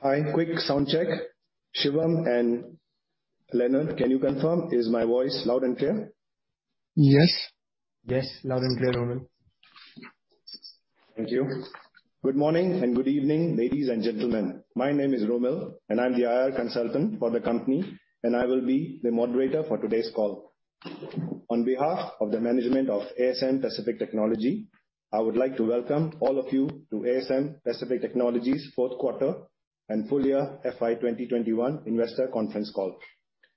Thank you. Good morning and good evening, ladies and gentlemen. My name is Romil, and I'm the IR consultant for the company, and I will be the moderator for today's call. On behalf of the management of ASM Pacific Technology, I would like to welcome all of you to ASM Pacific Technology's fourth quarter and full year FY 2021 investor conference call.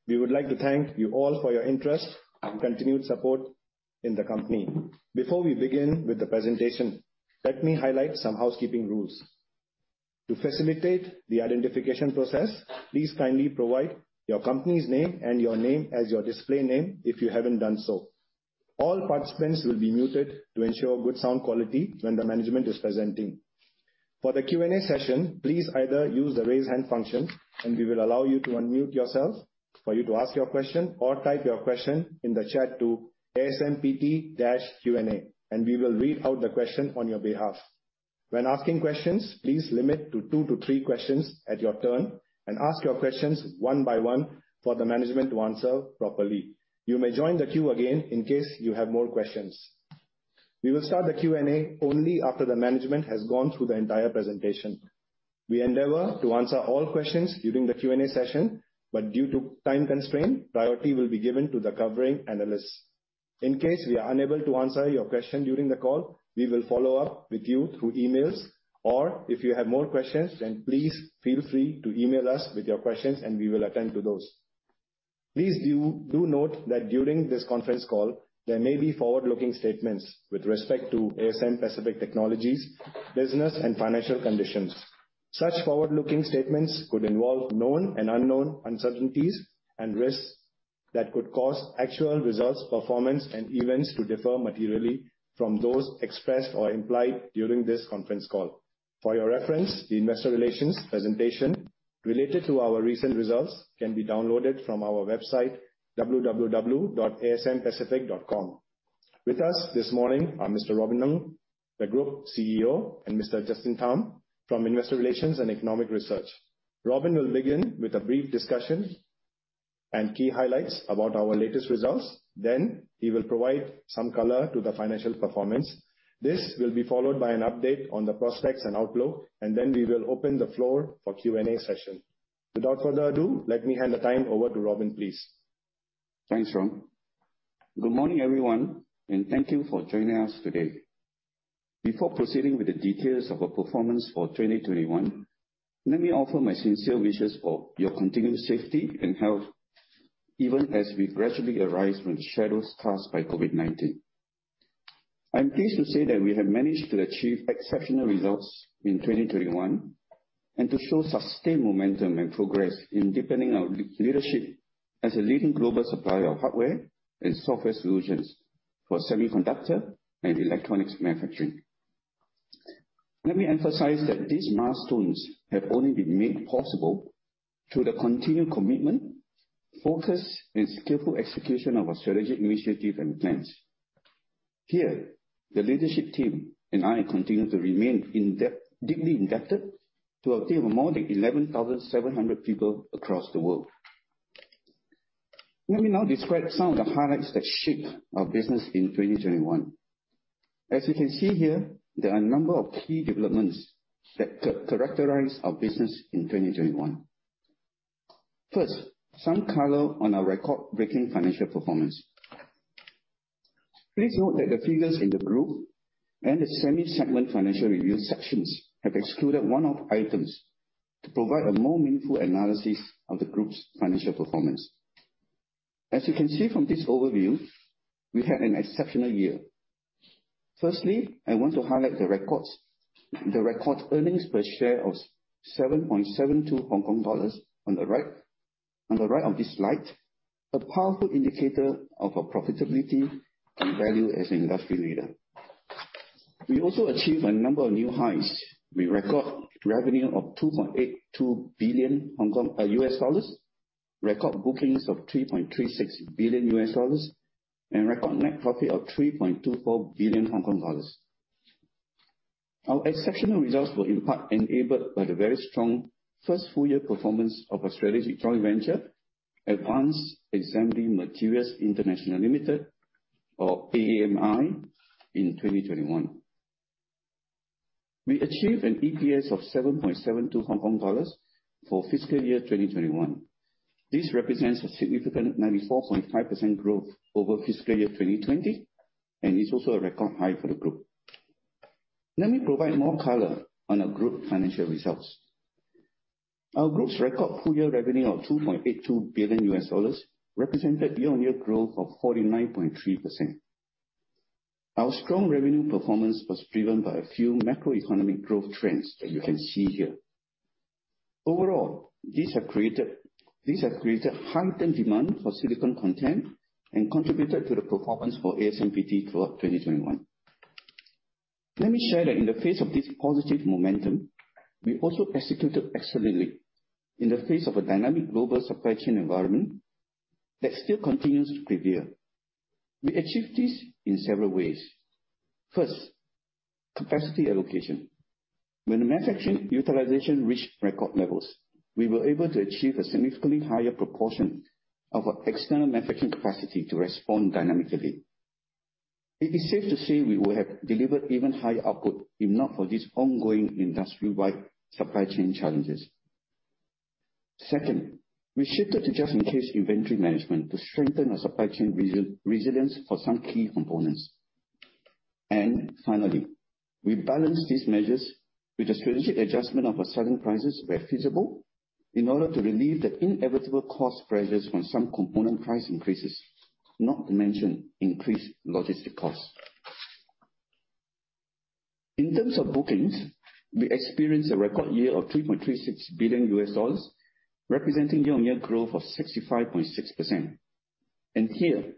We would like to thank you all for your interest and continued support in the company. Before we begin with the presentation, let me highlight some housekeeping rules. To facilitate the identification process, please kindly provide your company's name and your name as your display name if you haven't done so. All participants will be muted to ensure good sound quality when the management is presenting. For the Q&A session, please either use the raise hand function, and we will allow you to unmute yourself for you to ask your question or type your question in the chat to ASMPT-Q&A, and we will read out the question on your behalf. When asking questions, please limit to two to three questions at your turn and ask your questions one by one for the management to answer properly. You may join the queue again in case you have more questions. We will start the Q&A only after the management has gone through the entire presentation. We endeavor to answer all questions during the Q&A session, but due to time constraint, priority will be given to the covering analysts. In case we are unable to answer your question during the call, we will follow up with you through emails, or if you have more questions, then please feel free to email us with your questions, and we will attend to those. Please do note that during this conference call, there may be forward-looking statements with respect to ASM Pacific Technology's business and financial conditions. Such forward-looking statements could involve known and unknown uncertainties and risks that could cause actual results, performance and events to differ materially from those expressed or implied during this conference call. For your reference, the investor relations presentation related to our recent results can be downloaded from our website, www.asmpacific.com. With us this morning are Mr. Robin Ng, the Group CEO, and Mr. Justin Tham from Investor Relations & Economics Research. Robin will begin with a brief discussion and key highlights about our latest results. He will provide some color to the financial performance. This will be followed by an update on the prospects and outlook, and then we will open the floor for Q&A session. Without further ado, let me hand the time over to Robin, please. Thanks, Rom. Good morning, everyone, and thank you for joining us today. Before proceeding with the details of our performance for 2021, let me offer my sincere wishes for your continued safety and health, even as we gradually arise from the shadows cast by COVID-19. I am pleased to say that we have managed to achieve exceptional results in 2021 and to show sustained momentum and progress in deepening our leadership as a leading global supplier of hardware and software solutions for semiconductor and electronics manufacturing. Let me emphasize that these milestones have only been made possible through the continued commitment, focus and skillful execution of our strategic initiatives and plans. Here, the leadership team and I continue to be deeply indebted to our team of more than 11,700 people across the world. Let me now describe some of the highlights that shaped our business in 2021. As you can see here, there are a number of key developments that characterize our business in 2021. First, some color on our record-breaking financial performance. Please note that the figures in the group and the Semi segment financial review sections have excluded one-off items to provide a more meaningful analysis of the group's financial performance. As you can see from this overview, we had an exceptional year. First, I want to highlight the record earnings per share of 7.72 Hong Kong dollars on the right of this slide. A powerful indicator of our profitability and value as an industry leader. We also achieved a number of new highs. We record revenue of $2.82 billion, record bookings of $3.36 billion and record net profit of 3.24 billion Hong Kong dollars. Our exceptional results were in part enabled by the very strong first full year performance of our strategic joint venture, Advanced Assembly Materials International Limited, or AAMI, in 2021. We achieved an EPS of 7.72 Hong Kong dollars for fiscal year 2021. This represents a significant 94.5% growth over fiscal year 2020, and is also a record high for the group. Let me provide more color on our group financial results. Our group's record full year revenue of $2.82 billion represented year-on-year growth of 49.3%. Our strong revenue performance was driven by a few macroeconomic growth trends that you can see here. Overall, these have created heightened demand for silicon content and contributed to the performance for ASMPT throughout 2021. Let me share that in the face of this positive momentum, we also executed excellently in the face of a dynamic global supply chain environment that still continues to prevail. We achieved this in several ways. First, capacity allocation. When the manufacturing utilization reached record levels, we were able to achieve a significantly higher proportion of our external manufacturing capacity to respond dynamically. It is safe to say we would have delivered even higher output if not for these ongoing industry-wide supply chain challenges. Second, we shifted to just in case inventory management to strengthen our supply chain resilience for some key components. Finally, we balanced these measures with a strategic adjustment of our selling prices where feasible in order to relieve the inevitable cost pressures from some component price increases, not to mention increased logistic costs. In terms of bookings, we experienced a record year of $3.36 billion, representing year-on-year growth of 65.6%. Here,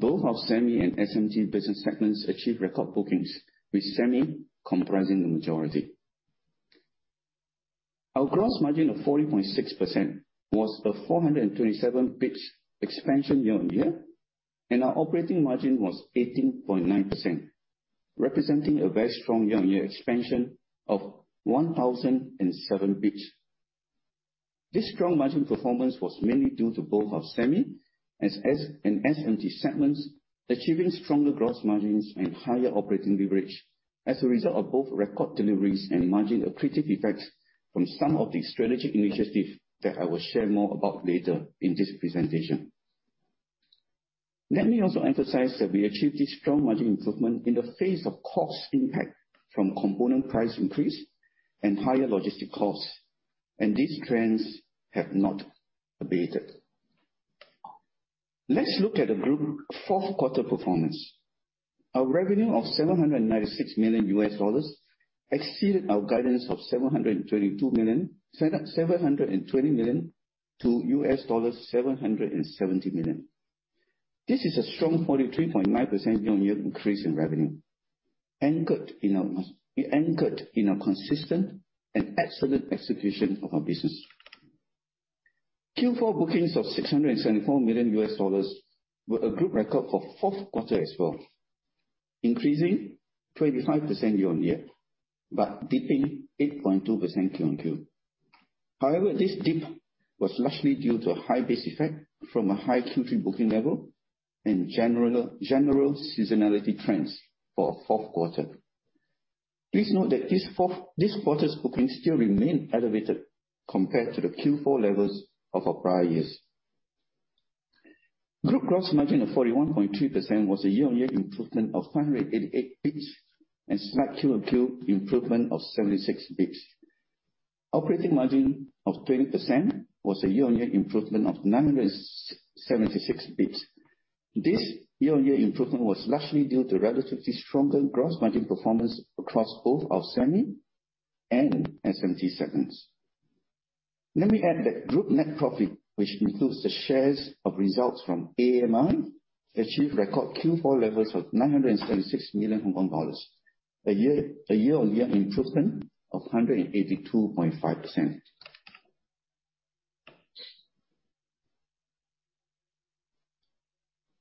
both our Semi and SMT business segments achieved record bookings, with Semi comprising the majority. Our gross margin of 40.6% was a 427 basis points expansion year-on-year, and our operating margin was 18.9%, representing a very strong year-on-year expansion of 1,007 basis points. This strong margin performance was mainly due to both our semis and SMT segments, achieving stronger gross margins and higher operating leverage as a result of both record deliveries and margin accretive effects from some of the strategic initiatives that I will share more about later in this presentation. Let me also emphasize that we achieved this strong margin improvement in the face of cost impact from component price increase and higher logistic costs, and these trends have not abated. Let's look at the group fourth quarter performance. Our revenue of $796 million exceeded our guidance of $722 million-$770 million. This is a strong 43.9% year-on-year increase in revenue, anchored in our consistent and excellent execution of our business. Q4 bookings of $674 million were a group record for fourth quarter as well, increasing 25% year-over-year, but dipping 8.2% QoQ. However, this dip was largely due to a high base effect from a high Q3 booking level and general seasonality trends for our fourth quarter. Please note that this quarter's bookings still remain elevated compared to the Q4 levels of our prior years. Group gross margin of 41.2% was a year-over-year improvement of 188 bps and slight QoQ improvement of 76 basis points. Operating margin of 20% was a year-over-year improvement of 976 basis points. This year-over-year improvement was largely due to relatively stronger gross margin performance across both our Semi and SMT segments. Let me add that group net profit, which includes the shares of results from AAMI, achieved record Q4 levels of 976 million Hong Kong dollars, a year-on-year improvement of 182.5%.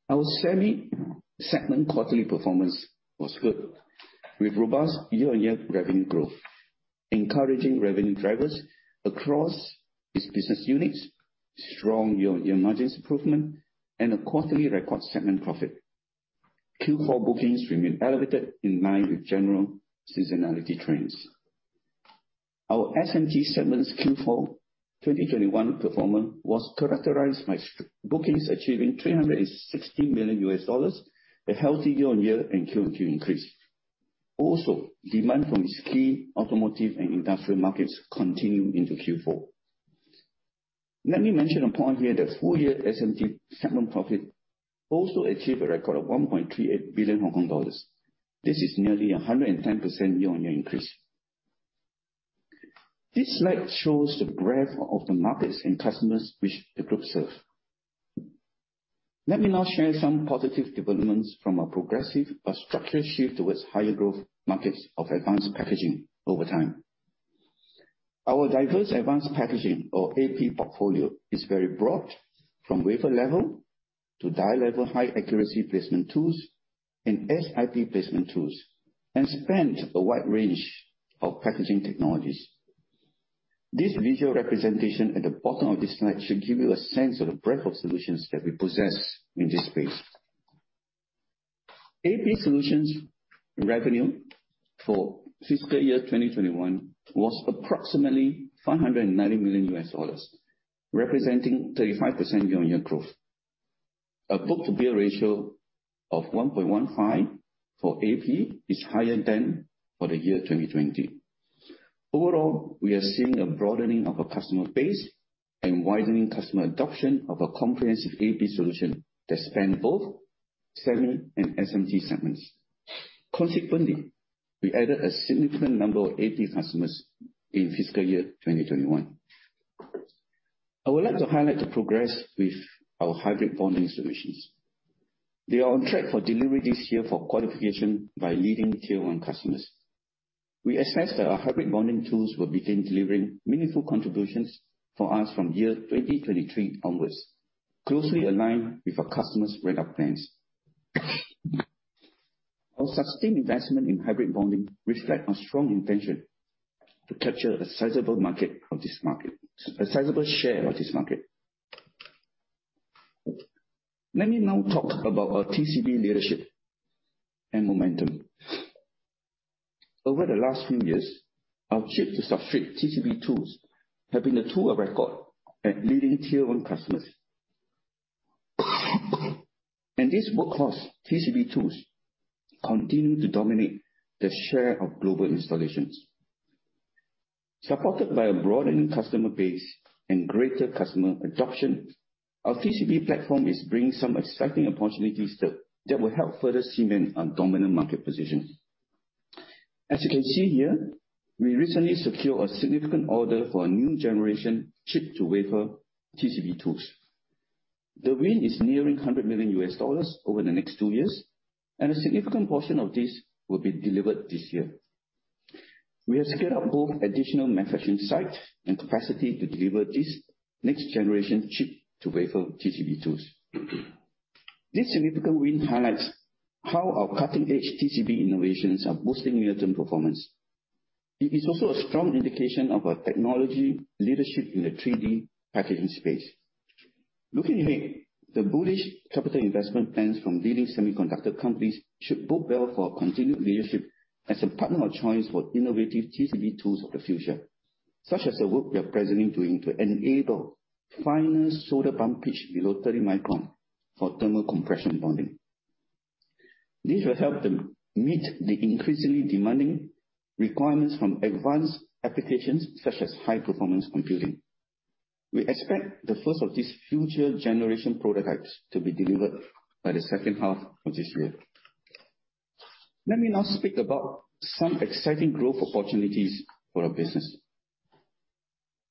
Our Semi segment quarterly performance was good with robust year-on-year revenue growth, encouraging revenue drivers across its business units, strong year-on-year margins improvement and a quarterly record segment profit. Q4 bookings remain elevated in line with general seasonality trends. Our SMT segment's Q4 2021 performance was characterized by strong bookings achieving $360 million, a healthy year-on-year and QoQ increase. Also, demand from its key automotive and industrial markets continued into Q4. Let me mention a point here that full year SMT segment profit also achieved a record of 1.38 billion Hong Kong dollars. This is nearly a 110% year-on-year increase. This slide shows the breadth of the markets and customers which the group serves. Let me now share some positive developments from a progressive but structured shift towards higher growth markets of advanced packaging over time. Our diverse advanced packaging or AP portfolio is very broad, from wafer level to die level high accuracy placement tools and SIP placement tools, and spans a wide range of packaging technologies. This visual representation at the bottom of this slide should give you a sense of the breadth of solutions that we possess in this space. AP solutions revenue for fiscal year 2021 was approximately $590 million, representing 35% year-on-year growth. A book-to-bill ratio of 1.15 for AP is higher than for the year 2020. Overall, we are seeing a broadening of our customer base and widening customer adoption of a comprehensive AP solution that span both Semi and SMT segments. Consequently, we added a significant number of AP customers in fiscal year 2021. I would like to highlight the progress with our hybrid bonding solutions. They are on track for delivery this year for qualification by leading tier one customers. We assess that our hybrid bonding tools will begin delivering meaningful contributions for us from year 2023 onwards, closely aligned with our customers' roadmap plans. Our sustained investment in hybrid bonding reflect our strong intention to capture a sizable share of this market. Let me now talk about our TCB leadership and momentum. Over the last few years, our chip-to-substrate TCB tools have been the tool of record at leading tier one customers. These workhorse TCB tools continue to dominate the share of global installations. Supported by a broadening customer base and greater customer adoption, our TCB platform is bringing some exciting opportunities that will help further cement our dominant market position. As you can see here, we recently secured a significant order for a new generation chip-to-wafer TCB tools. The win is nearing $100 million over the next two years, and a significant portion of this will be delivered this year. We have scaled up both additional manufacturing site and capacity to deliver this next-generation chip-to-wafer TCB tools. This significant win highlights how our cutting-edge TCB innovations are boosting near-term performance. It is also a strong indication of our technology leadership in the 3D packaging space. Looking ahead, the bullish capital investment plans from leading semiconductor companies should bode well for our continued leadership as a partner of choice for innovative TCB tools of the future, such as the work we are presently doing to enable finer solder bump pitch below 30 micron for thermal compression bonding. This will help them meet the increasingly demanding requirements from advanced applications such as high-performance computing. We expect the first of these future generation prototypes to be delivered by the second half of this year. Let me now speak about some exciting growth opportunities for our business.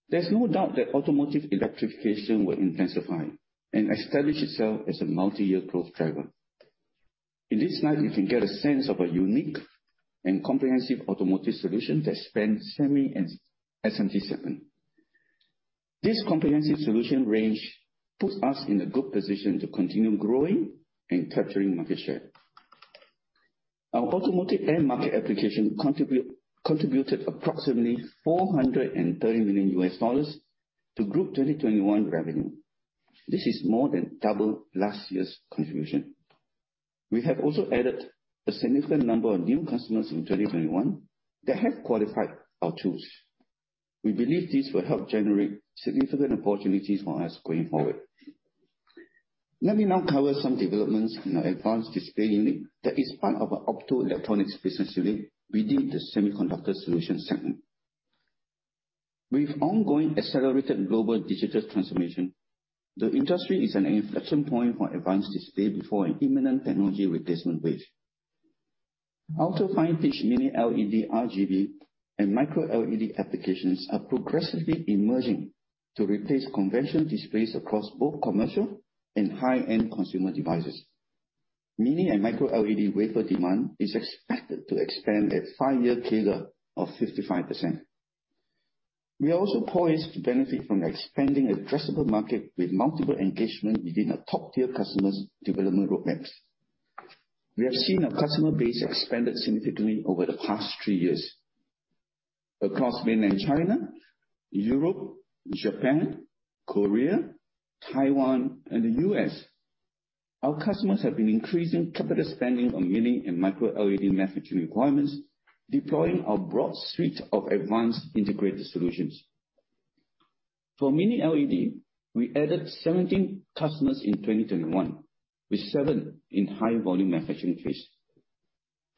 There's no doubt that automotive electrification will intensify and establish itself as a multi-year growth driver. In this slide, you can get a sense of our unique and comprehensive automotive solution that spans semi and SMT segment. This comprehensive solution range puts us in a good position to continue growing and capturing market share. Our automotive end market application contributed approximately $430 million to Group 2021 revenue. This is more than double last year's contribution. We have also added a significant number of new customers in 2021 that have qualified our tools. We believe this will help generate significant opportunities for us going forward. Let me now cover some developments in our advanced display unit that is part of our optoelectronics business unit within the Semiconductor Solutions segment. With ongoing accelerated global digital transformation, the industry is at an inflection point for advanced display before an imminent technology replacement wave. Also fine pitch Mini LED RGB and Micro LED applications are progressively emerging to replace conventional displays across both commercial and high-end consumer devices. Mini LED and Micro LED wafer demand is expected to expand at five-year CAGR of 55%. We are also poised to benefit from the expanding addressable market with multiple engagement within our top-tier customers' development roadmaps. We have seen our customer base expanded significantly over the past three years. Across Mainland China, Europe, Japan, Korea, Taiwan, and the U.S., our customers have been increasing capital spending on Mini LED and Micro LED manufacturing requirements, deploying our broad suite of advanced integrated solutions. For Mini LED, we added 17 customers in 2021, with seven in high-volume manufacturing phase.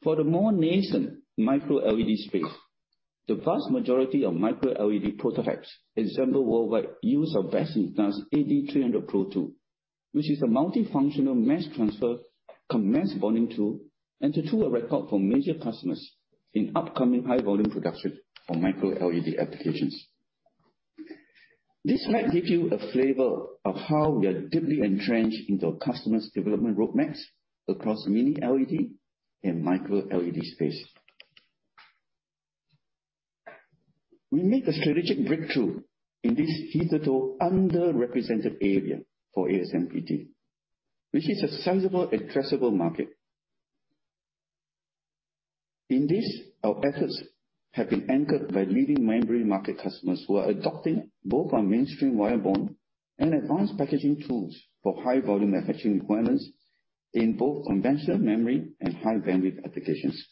For the more nascent Micro LED space, the vast majority of Micro LED prototypes assembled worldwide use our best-in-class AD300 Pro tool, which is a multifunctional mass transfer cum mass bonding tool and the tool of record for major customers in upcoming high-volume production for Micro LED applications. This slide gives you a flavor of how we are deeply entrenched into our customers' development roadmaps across Mini LED and Micro LED space. We made a strategic breakthrough in this hitherto underrepresented area for ASMPT, which is a sizable addressable market. In this, our efforts have been anchored by leading memory market customers who are adopting both our mainstream wire bond and advanced packaging tools for high-volume manufacturing requirements in both conventional memory and high-bandwidth applications.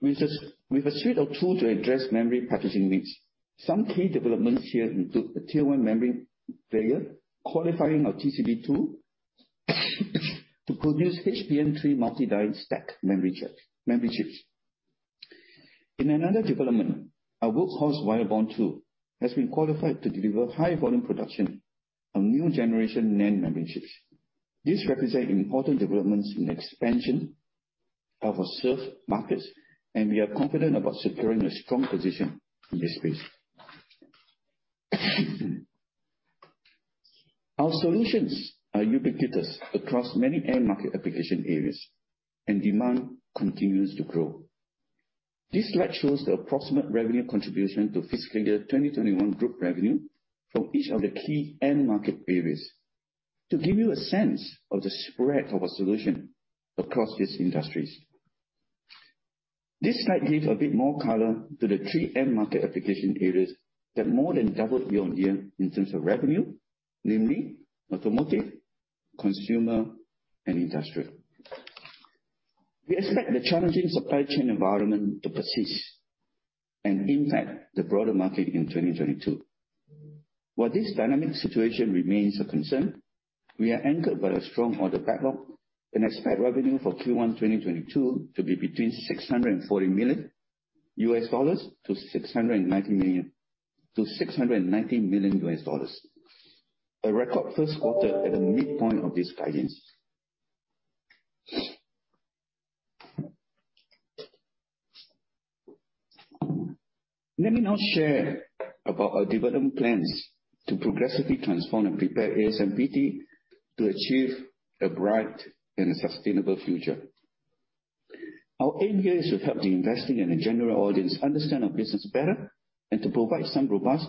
With a suite of tools to address memory packaging needs, some key developments here include a tier one memory player qualifying our TCB tool to produce HBM3 multi-die stack memory chips. In another development, our workhorse Wirebond II has been qualified to deliver high volume production of new generation NAND memory chips. These represent important developments in expansion of our served markets, and we are confident about securing a strong position in this space. Our solutions are ubiquitous across many end market application areas, and demand continues to grow. This slide shows the approximate revenue contribution to fiscal year 2021 group revenue from each of the key end market areas to give you a sense of the spread of our solution across these industries. This slide gives a bit more color to the three end market application areas that more than doubled year-on-year in terms of revenue, namely automotive, consumer, and industrial. We expect the challenging supply chain environment to persist and impact the broader market in 2022. While this dynamic situation remains a concern, we are anchored by a strong order backlog and expect revenue for Q1 2022 to be between $640 million-$690 million, a record first quarter at the midpoint of this guidance. Let me now share about our development plans to progressively transform and prepare ASMPT to achieve a bright and a sustainable future. Our aim here is to help the investing and the general audience understand our business better, and to provide some robust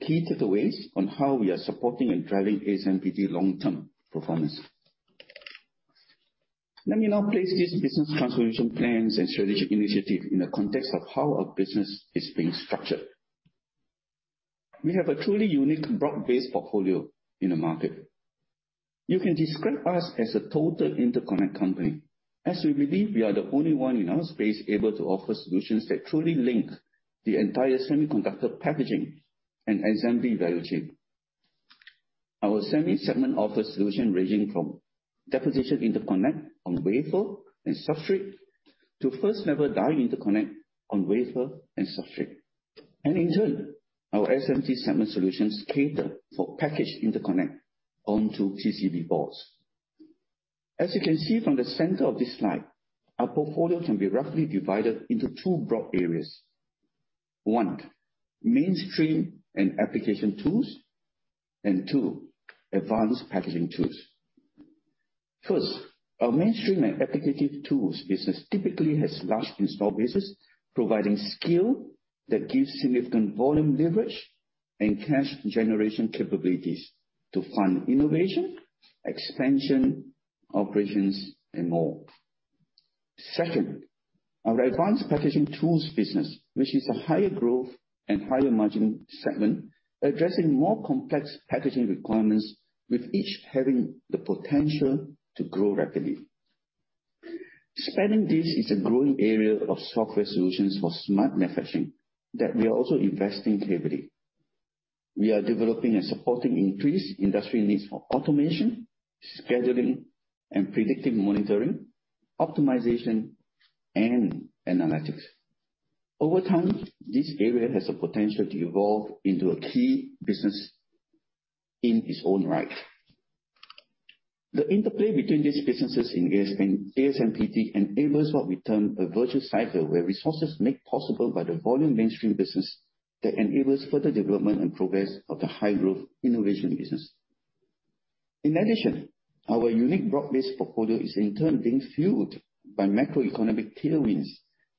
key takeaways on how we are supporting and driving ASMPT long-term performance. Let me now place these business transformation plans and strategic initiative in the context of how our business is being structured. We have a truly unique broad-based portfolio in the market. You can describe us as a total interconnect company, as we believe we are the only one in our space able to offer solutions that truly link the entire semiconductor packaging and assembly value chain. Our Semi segment offers solutions ranging from deposition interconnect on wafer and substrate to first-level die interconnect on wafer and substrate. In turn, our SMT segment solutions cater for package interconnect onto PCB boards. As you can see from the center of this slide, our portfolio can be roughly divided into two broad areas. One, mainstream and application tools, and two, advanced packaging tools. First, our mainstream and application tools business typically has large installed bases, providing scale that gives significant volume leverage and cash generation capabilities to fund innovation, expansion, operations, and more. Second, our advanced packaging tools business, which is a higher growth and higher margin segment, addressing more complex packaging requirements, with each having the potential to grow rapidly. Spanning this is a growing area of software solutions for smart manufacturing that we are also investing heavily. We are developing and supporting increased industry needs for automation, scheduling, and predictive monitoring, optimization, and analytics. Over time, this area has the potential to evolve into a key business in its own right. The interplay between these businesses in ASMPT enables what we term a virtuous cycle, where resources made possible by the volume mainstream business that enables further development and progress of the high-growth innovation business. In addition, our unique broad-based portfolio is in turn being fueled by macroeconomic tailwinds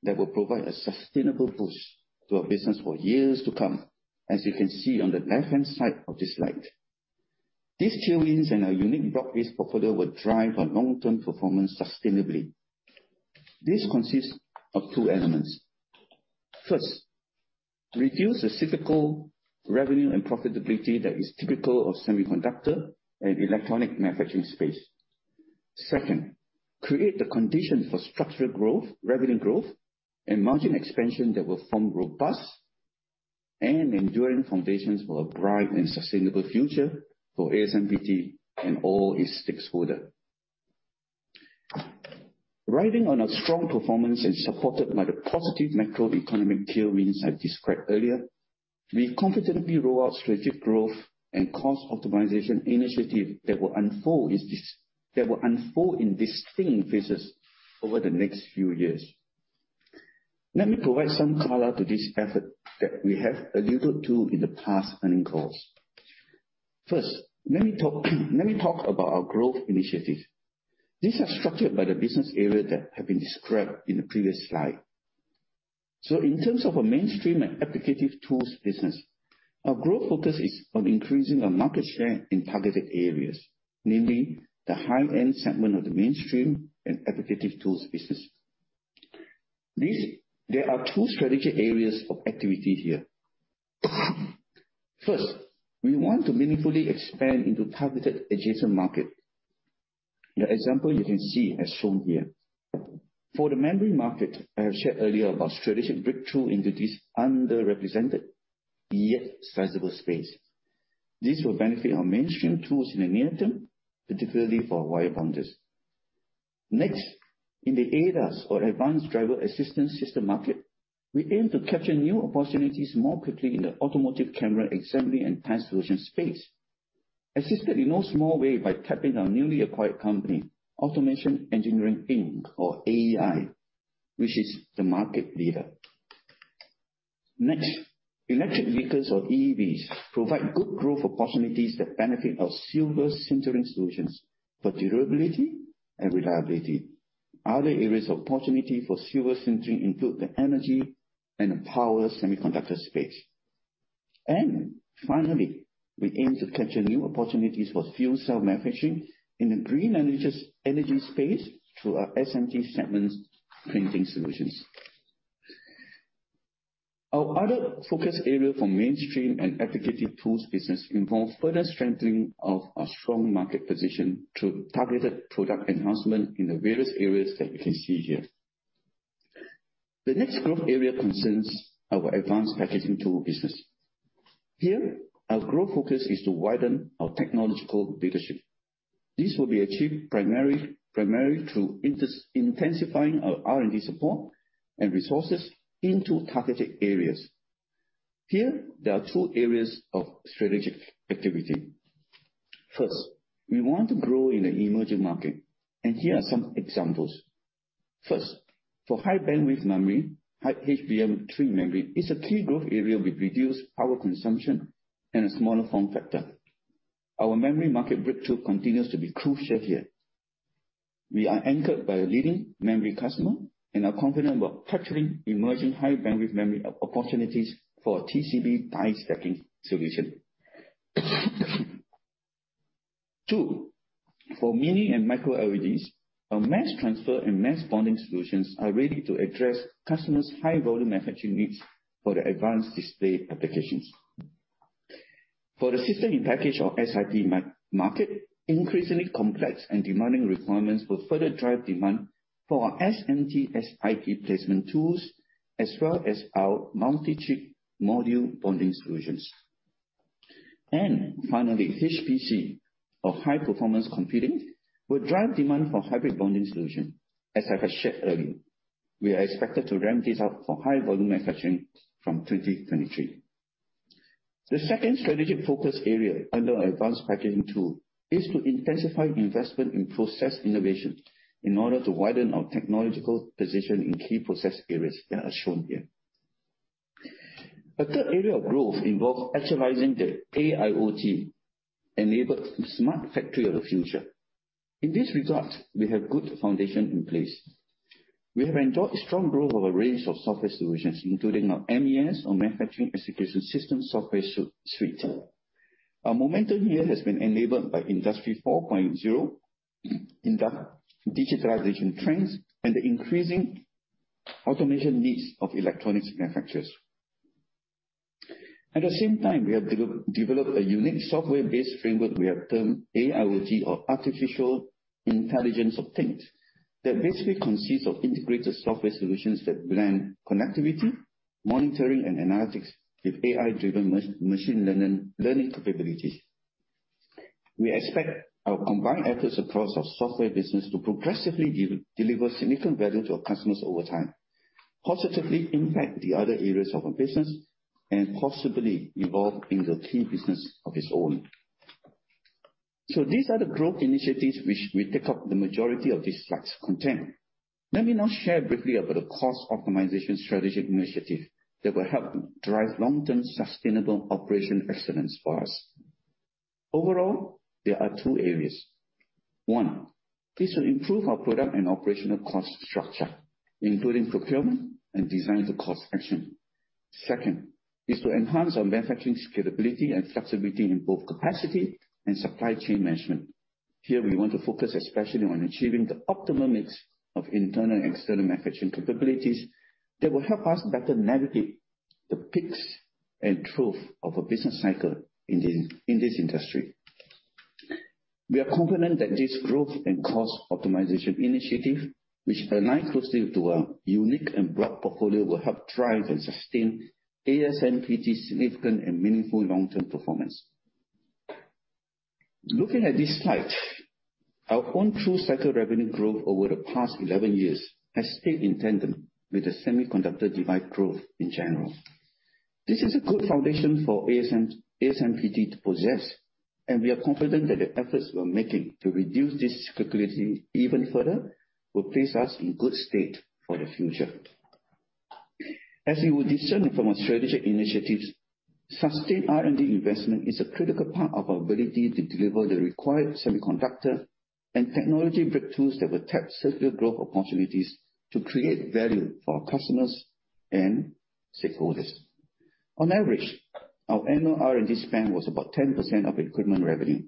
that will provide a sustainable boost to our business for years to come, as you can see on the left-hand side of this slide. These tailwinds and our unique broad-based portfolio will drive our long-term performance sustainably. This consists of two elements. First, reduce the cyclical revenue and profitability that is typical of semiconductor and electronics manufacturing space. Second, create the conditions for structural growth, revenue growth, and margin expansion that will form robust and enduring foundations for a bright and sustainable future for ASMPT and all its stakeholders. Riding on a strong performance and supported by the positive macroeconomic tailwinds I described earlier, we confidently roll out strategic growth and cost optimization initiatives that will unfold in distinct phases over the next few years. Let me provide some color to this effort that we have alluded to in the past earnings calls. First, let me talk about our growth initiatives. These are structured by the business area that have been described in the previous slide. In terms of our mainstream and applicative tools business, our growth focus is on increasing our market share in targeted areas, namely the high-end segment of the mainstream and applicative tools business. These, there are two strategic areas of activity here. First, we want to meaningfully expand into targeted adjacent market. The example you can see as shown here. For the memory market, I have shared earlier about strategic breakthrough into this underrepresented yet sizable space. This will benefit our mainstream tools in the near term, particularly for wire bonders. Next, in the ADAS or Advanced Driver Assistance System market, we aim to capture new opportunities more quickly in the automotive camera assembly and test solutions space, assisted in no small way by tapping our newly acquired company, Automation Engineering, Inc., or AEi, which is the market leader. Next, electric vehicles or EVs provide good growth opportunities that benefit our silver sintering solutions for durability and reliability. Other areas of opportunity for silver sintering include the energy and power semiconductor space. Finally, we aim to capture new opportunities for fuel cell manufacturing in the green energy space through our SMT segments printing solutions. Our other focus area for mainstream and dedicated tools business involves further strengthening of our strong market position through targeted product enhancement in the various areas that you can see here. The next growth area concerns our advanced packaging tool business. Here, our growth focus is to widen our technological leadership. This will be achieved primarily through intensifying our R&D support and resources into targeted areas. Here, there are two areas of strategic activity. First, we want to grow in the emerging market, and here are some examples. First, for high bandwidth memory, HBM3 memory is a key growth area with reduced power consumption and a smaller form factor. Our memory market breakthrough continues to be crucial here. We are anchored by a leading memory customer and are confident about capturing emerging high bandwidth memory opportunities for TCB die stacking solution. Two, for Mini and Micro-LEDs, our mass transfer and mass bonding solutions are ready to address customers' high-volume manufacturing needs for the advanced display applications. For the system-in-package or SiP market, increasingly complex and demanding requirements will further drive demand for our SMT SiP placement tools, as well as our multi-chip module bonding solutions. Finally, HPC or high performance computing will drive demand for hybrid bonding solution. As I have shared earlier, we are expected to ramp this up for high-volume manufacturing from 2023. The second strategic focus area under advanced packaging tool is to intensify investment in process innovation in order to widen our technological position in key process areas that are shown here. A third area of growth involves actualizing the AIoT-enabled smart factory of the future. In this regard, we have good foundation in place. We have enjoyed strong growth of a range of software solutions, including our MES or manufacturing execution system software suite. Our momentum here has been enabled by Industry 4.0, in the digitalization trends and the increasing automation needs of electronics manufacturers. At the same time, we have developed a unique software-based framework we have termed AIoT or Artificial Intelligence of Things, that basically consists of integrated software solutions that blend connectivity, monitoring and analytics with AI-driven machine learning capabilities. We expect our combined efforts across our software business to progressively deliver significant value to our customers over time, positively impact the other areas of our business, and possibly evolve into a key business of its own. These are the growth initiatives which will take up the majority of this slide's content. Let me now share briefly about the cost optimization strategic initiative that will help drive long-term sustainable operation excellence for us. Overall, there are two areas. One. This will improve our product and operational cost structure, including procurement and design to cost action. Second is to enhance our manufacturing scalability and flexibility in both capacity and supply chain management. Here we want to focus especially on achieving the optimum mix of internal and external manufacturing capabilities that will help us better navigate the peaks and troughs of a business cycle in this industry. We are confident that this growth and cost optimization initiative, which align closely to our unique and broad portfolio, will help drive and sustain ASMPT's significant and meaningful long-term performance. Looking at this slide, our own through-cycle revenue growth over the past 11 years has stayed in tandem with the semiconductor device growth in general. This is a good foundation for ASM, ASMPT to possess, and we are confident that the efforts we are making to reduce this cyclicality even further will place us in good stead for the future. As you will discern from our strategic initiatives, sustained R&D investment is a critical part of our ability to deliver the required semiconductor and technology breakthroughs that will tap secular growth opportunities to create value for our customers and stakeholders. On average, our annual R&D spend was about 10% of equipment revenue.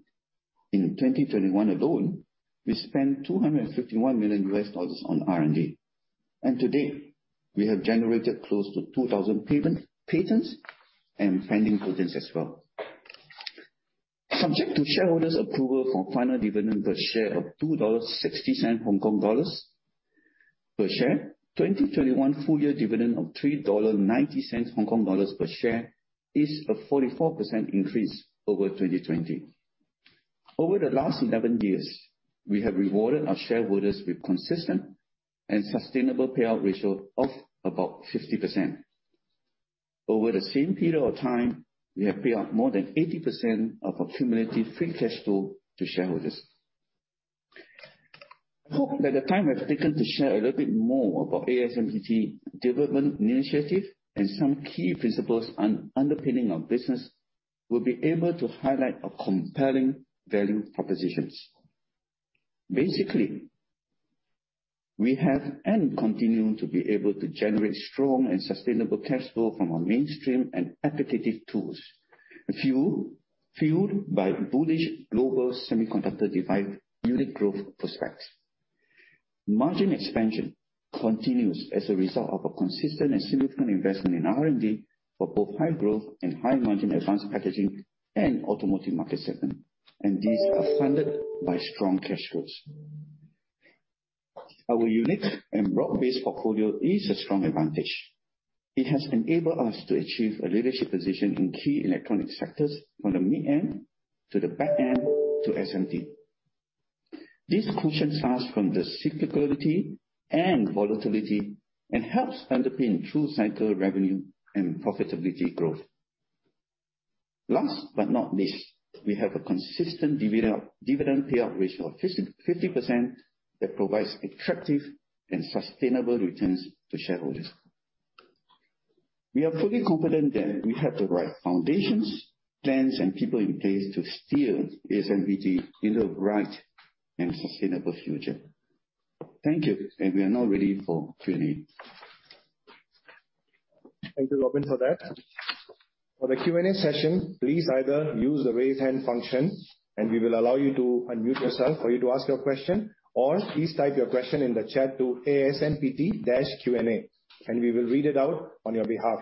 In 2021 alone, we spent $251 million on R&D. To date, we have generated close to 2,000 patents and pending patents as well. Subject to shareholders' approval for final dividend per share of 2.60 Hong Kong dollars per share. 2021 full year dividend of 3.90 Hong Kong dollars per share is a 44% increase over 2020. Over the last 11 years, we have rewarded our shareholders with consistent and sustainable payout ratio of about 50%. Over the same period of time, we have paid out more than 80% of our cumulative free cash flow to shareholders. Hope that the time I've taken to share a little bit more about ASMPT development initiative and some key principles underpinning our business will be able to highlight a compelling value propositions. Basically, we have and continue to be able to generate strong and sustainable cash flow from our mainstream and application tools, fueled by bullish global semiconductor device unit growth prospects. Margin expansion continues as a result of a consistent and significant investment in R&D for both high growth and high margin advanced packaging and automotive market segment, and these are funded by strong cash flows. Our unique and broad-based portfolio is a strong advantage. It has enabled us to achieve a leadership position in key electronic sectors from the mid-end to the back-end to SMT. This cushions us from the cyclicality and volatility and helps underpin true cycle revenue and profitability growth. Last but not least, we have a consistent dividend payout ratio of 50% that provides attractive and sustainable returns to shareholders. We are fully confident that we have the right foundations, plans, and people in place to steer ASMPT into a bright and sustainable future. Thank you. We are now ready for Q&A. Thank you, Robin, for that. For the Q&A session, please either use the raise hand function, and we will allow you to unmute yourself for you to ask your question, or please type your question in the chat to ASMPT-Q&A, and we will read it out on your behalf.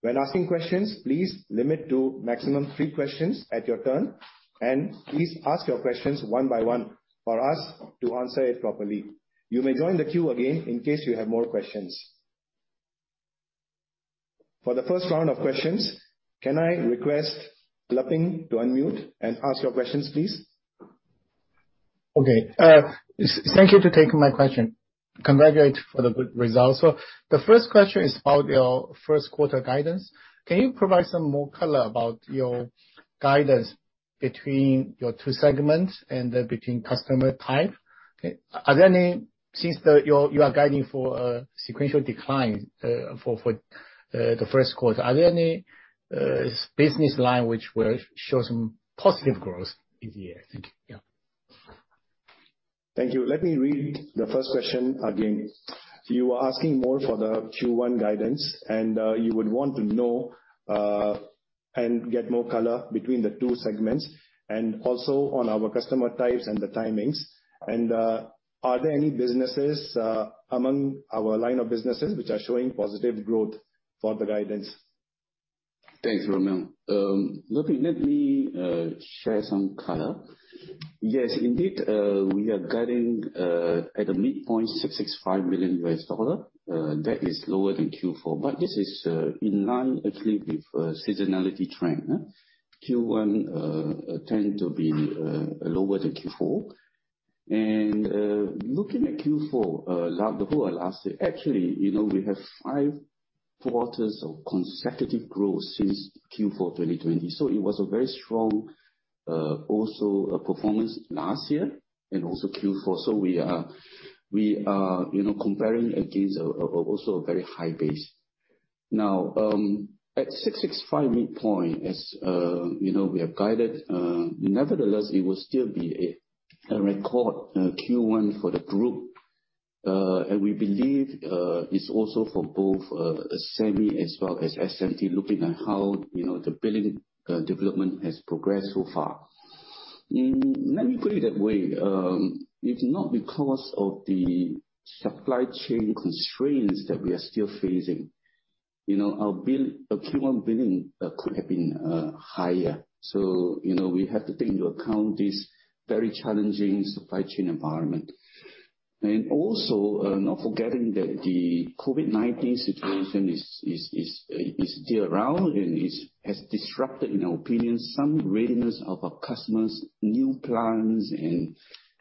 When asking questions, please limit to maximum three questions at your turn, and please ask your questions one by one for us to answer it properly. You may join the queue again in case you have more questions. For the first round of questions, can I request Leping to unmute and ask your questions, please? Okay, thank you to take my question. Congratulate for the good results. The first question is about your first quarter guidance. Can you provide some more color about your guidance between your two segments and between customer type? Are there any? Since you are guiding for a sequential decline for the first quarter, are there any sub-business line which will show some positive growth in the year? Thank you. Yeah. Thank you. Let me read the first question again. You are asking more for the Q1 guidance and, you would want to know, and get more color between the two segments, and also on our customer types and the timings. Are there any businesses, among our line of businesses which are showing positive growth for the guidance? Thanks, Romil. Leping, let me share some color. Yes, indeed, we are guiding at a midpoint $665 million. That is lower than Q4. This is in line actually with seasonality trend. Q1 tend to be lower than Q4. Looking at Q4, the whole last year, actually, you know, we have five quarters of consecutive growth since Q4 2020, so it was a very strong also performance last year and also Q4. We are you know, comparing against a also a very high base. Now, at $665 million midpoint, as you know, we have guided, nevertheless, it will still be a record Q1 for the group. We believe it's also for both semi as well as SMT, looking at how, you know, the book-to-bill development has progressed so far. Let me put it that way. If not because of the supply chain constraints that we are still facing, you know, our Q1 book-to-bill could have been higher. We have to take into account this very challenging supply chain environment. Also, not forgetting that the COVID-19 situation is still around and has disrupted, in our opinion, some readiness of our customers' new plans.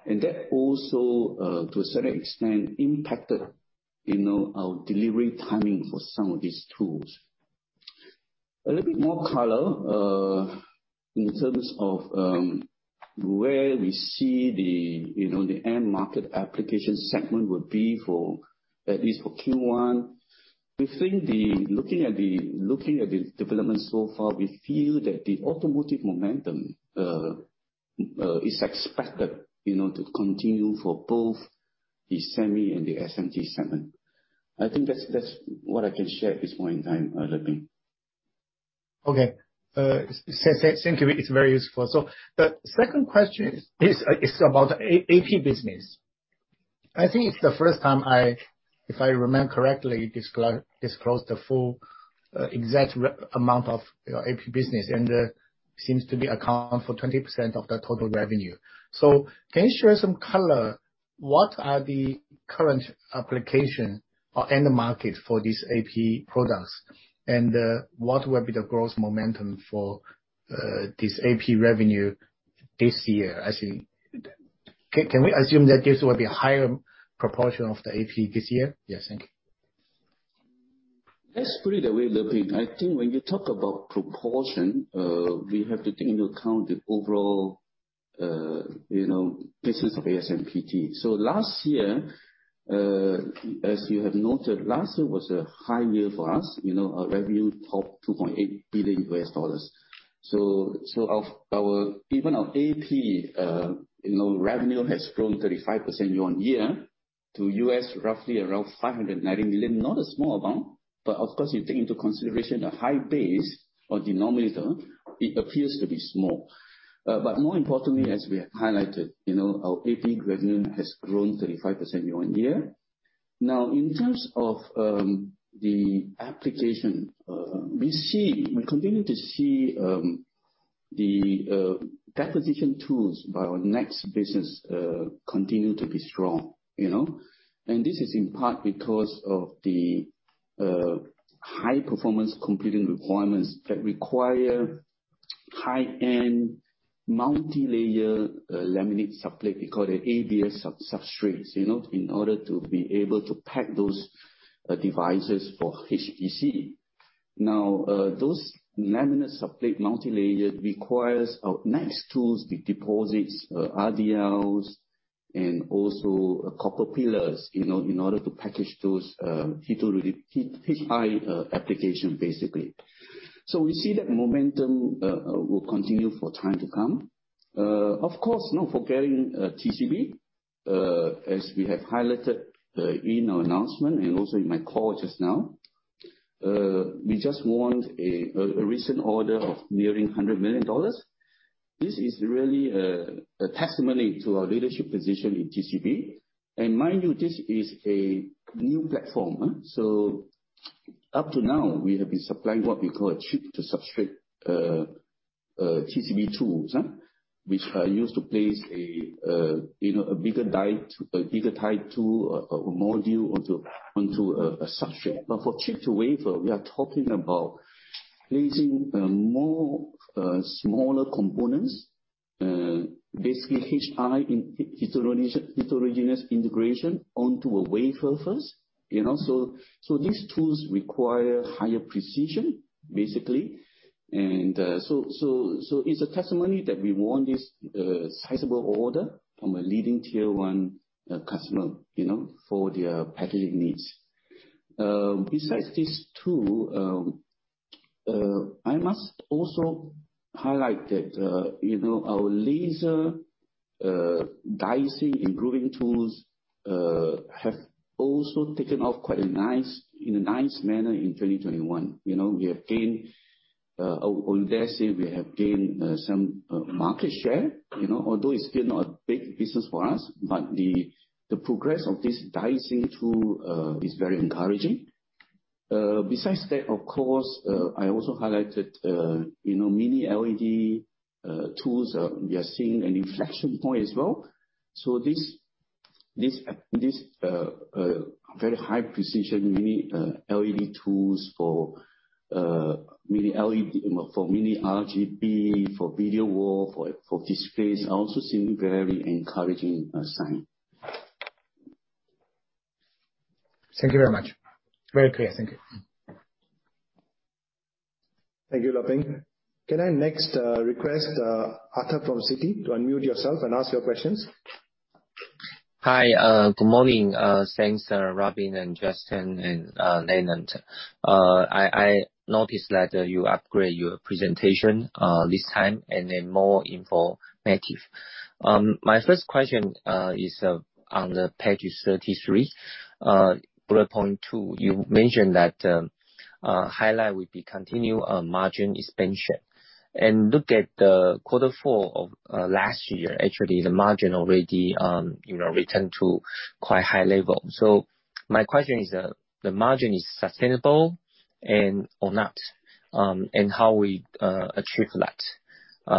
That also, to a certain extent, impacted, you know, our delivery timing for some of these tools. A little bit more color in terms of where we see the, you know, the end market application segment would be for, at least for Q1. We think looking at the development so far, we feel that the automotive momentum is expected, you know, to continue for both the semi and the SMT segment. I think that's what I can share at this point in time, Leping. Okay. Thank you. It's very useful. The second question is about AP business. I think it's the first time I, if I remember correctly, disclosed the full exact amount of your AP business, and it seems to account for 20% of the total revenue. Can you share some color, what are the current application or end market for these AP products? And what will be the growth momentum for this AP revenue this year? I think. Can we assume that this will be a higher proportion of the AP this year? Yes. Thank you. Let's put it that way, Leping. I think when you talk about proportion, we have to take into account the overall, you know, business of ASMPT. Last year, as you have noted, last year was a high year for us. You know, our revenue topped $2.8 billion. Even our AP, you know, revenue has grown 35% year-on-year to roughly $590 million. Not a small amount, but of course, you take into consideration the high base or denominator, it appears to be small. More importantly, as we have highlighted, you know, our AP revenue has grown 35% year-on-year. Now, in terms of the application, we continue to see the deposition tools by our NEXX business continue to be strong, you know. This is in part because of the high performance computing requirements that require high-end multilayer laminate substrate. We call it ABF substrates, you know, in order to be able to pack those devices for HPC. Now, those laminate substrate multilayer requires our NEXX tools with deposits RDLs and also copper pillars, you know, in order to package those application basically. We see that momentum will continue for time to come. Of course, not forgetting TCB, as we have highlighted in our announcement and also in my call just now. We just won a recent order of nearly $100 million. This is really a testimony to our leadership position in TCB. Mind you, this is a new platform. Up to now we have been supplying what we call chip-to-substrate TCB tools, which are used to place a bigger die to a module onto a substrate. For chip-to-wafer, we are talking about placing more smaller components, basically high-end heterogeneous integration onto a wafer first. You know, it's a testimony that we won this sizable order from a leading tier one customer, you know, for their packaging needs. Besides these two, I must also highlight that, you know, our laser dicing and grooving tools have also taken off in a nice manner in 2021. You know, I would dare say we have gained some market share. You know, although it's still not a big business for us, but the progress of this dicing tool is very encouraging. Besides that, of course, I also highlighted, you know, Mini LED tools, we are seeing an inflection point as well. This very high precision Mini LED tools for Mini LED for mini RGB, for video wall, for displays also seem very encouraging sign. Thank you very much. Very clear. Thank you. Thank you, Leping. Can I next request Arthur from Citi to unmute yourself and ask your questions? Hi. Good morning. Thanks, Robin and Justin and Leonard. I noticed that you upgrade your presentation this time and then more informative. My first question is on the page 33 bullet point two. You mentioned that highlight will be continue margin expansion. Look at quarter four of last year, actually the margin already you know returned to quite high level. My question is the margin is sustainable and or not and how we achieve that?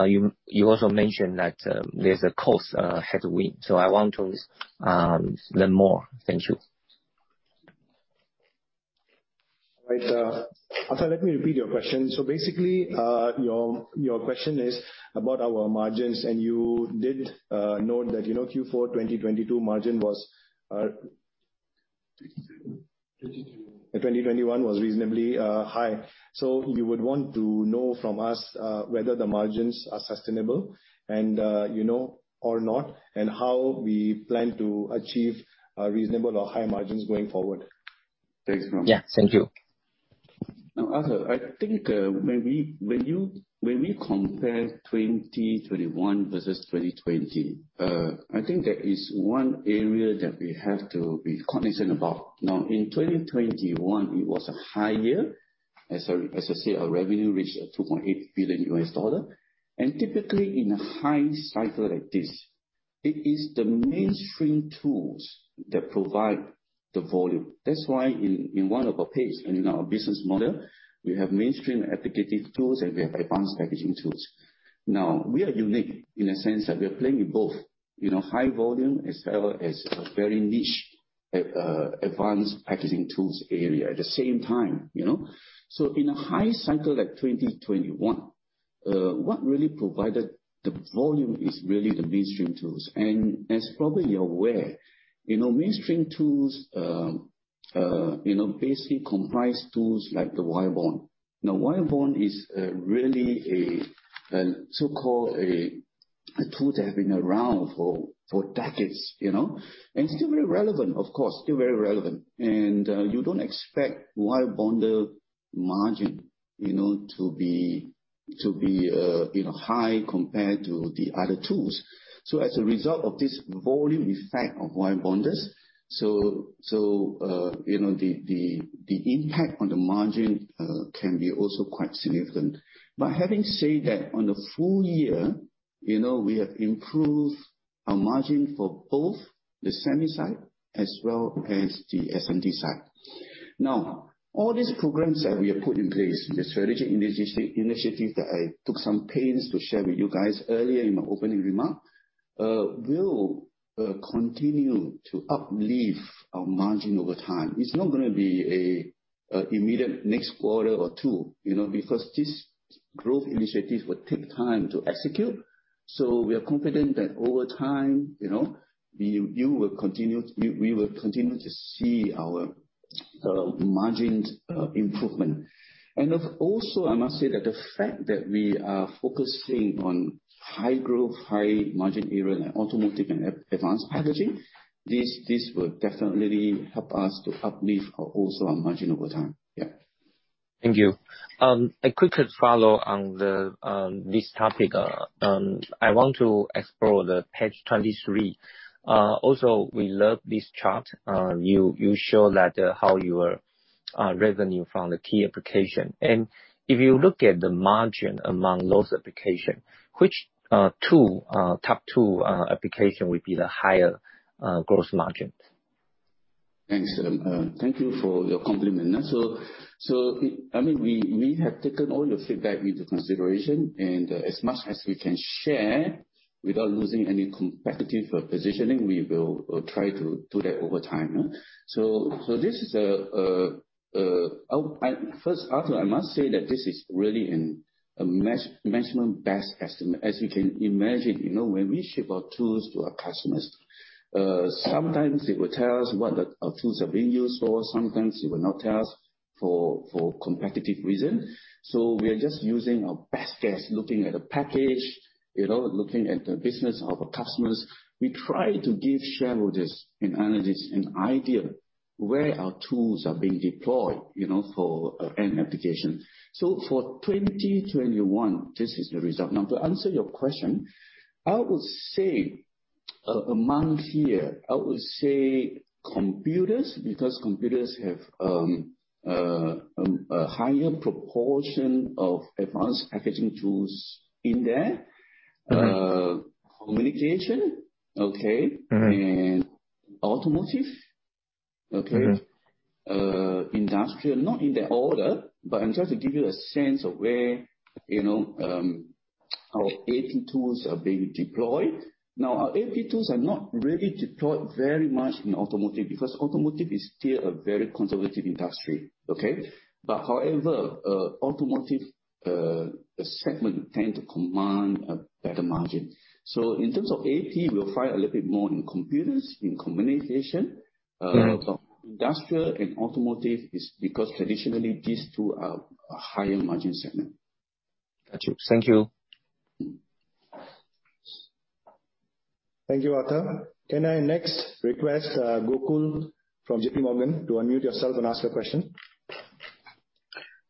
You also mentioned that there's a cost headwind. I want to learn more. Thank you. Right. Arthur, let me repeat your question. Basically, your question is about our margins, and you did note that, you know, Q4 2022 margin was-- 2021 was reasonably high. You would want to know from us whether the margins are sustainable and you know or not, and how we plan to achieve a reasonable or high margins going forward. Yeah. Thank you. Now, Arthur, I think when we compare 2021 versus 2020, I think there is one area that we have to be cognizant about. Now, in 2021, it was a high year. As I said, our revenue reached $2.8 billion. Typically in a high cycle like this, it is the mainstream tools that provide the volume. That's why in one of our page and in our business model, we have mainstream packaging tools and we have advanced packaging tools. Now, we are unique in a sense that we are playing in both, you know, high volume as well as a very niche advanced packaging tools area at the same time, you know. So in a high cycle like 2021, what really provided the volume is really the mainstream tools. As probably you're aware, you know, mainstream tools basically comprise tools like the wirebond. Now, wirebond is really a so-called a tool to have been around for decades, you know, and still very relevant of course. You don't expect wirebonder margin, you know, to be high compared to the other tools. As a result of this volume effect of wirebonders, you know, the impact on the margin can be also quite significant. Having said that, on the full year, you know, we have improved our margin for both the semi side as well as the SMT side. Now, all these programs that we have put in place, the strategic initiative that I took some pains to share with you guys earlier in my opening remark, will continue to uplift our margin over time. It's not gonna be an immediate next quarter or two, you know, because this growth initiative will take time to execute. We are confident that over time, you know, we will continue to see our margin improvement. Also, I must say that the fact that we are focusing on high growth, high margin area like automotive and advanced packaging, this wilefinitely help us to uplift also our margin over time. Yeah. Thank you. A quick follow on this topic. I want to explore page 23. Also, we love this chart. You show how your revenue from the key application. If you look at the margin among those application, which top two application would be the higher gross margin? Thanks. Thank you for your compliment. I mean, we have taken all your feedback into consideration, and as much as we can share without losing any competitive positioning, we will try to do that over time. First, Arthur, I must say that this is really a management best estimate. As you can imagine, you know, when we ship our tools to our customers, sometimes they will tell us what our tools are being used for. Sometimes they will not tell us for competitive reasons. We are just using our best guess, looking at the packaging, you know, looking at the business of our customers. We try to give shareholders and analysts an idea where our tools are being deployed, you know, for an end application. For 2021, this is the result. Now, to answer your question, I would say among here, I would say computers, because computers have a higher proportion of advanced packaging tools in there. Mm-hmm. Communication, okay. Mm-hmm. Automotive, okay. Mm-hmm. Industrial. Not in that order, but I'm trying to give you a sense of where, you know, our AP tools are being deployed. Now, our AP tools are not really deployed very much in automotive because automotive is still a very conservative industry, okay. However, automotive segment tend to command a better margin. In terms of AP, we'll find a little bit more in computers, in communication. Right. Industrial and automotive is because traditionally these two are a higher margin segment. Got you. Thank you. Mm-hmm. Thank you, Arthur. Can I next request, Gokul from JPMorgan, to unmute yourself and ask your question?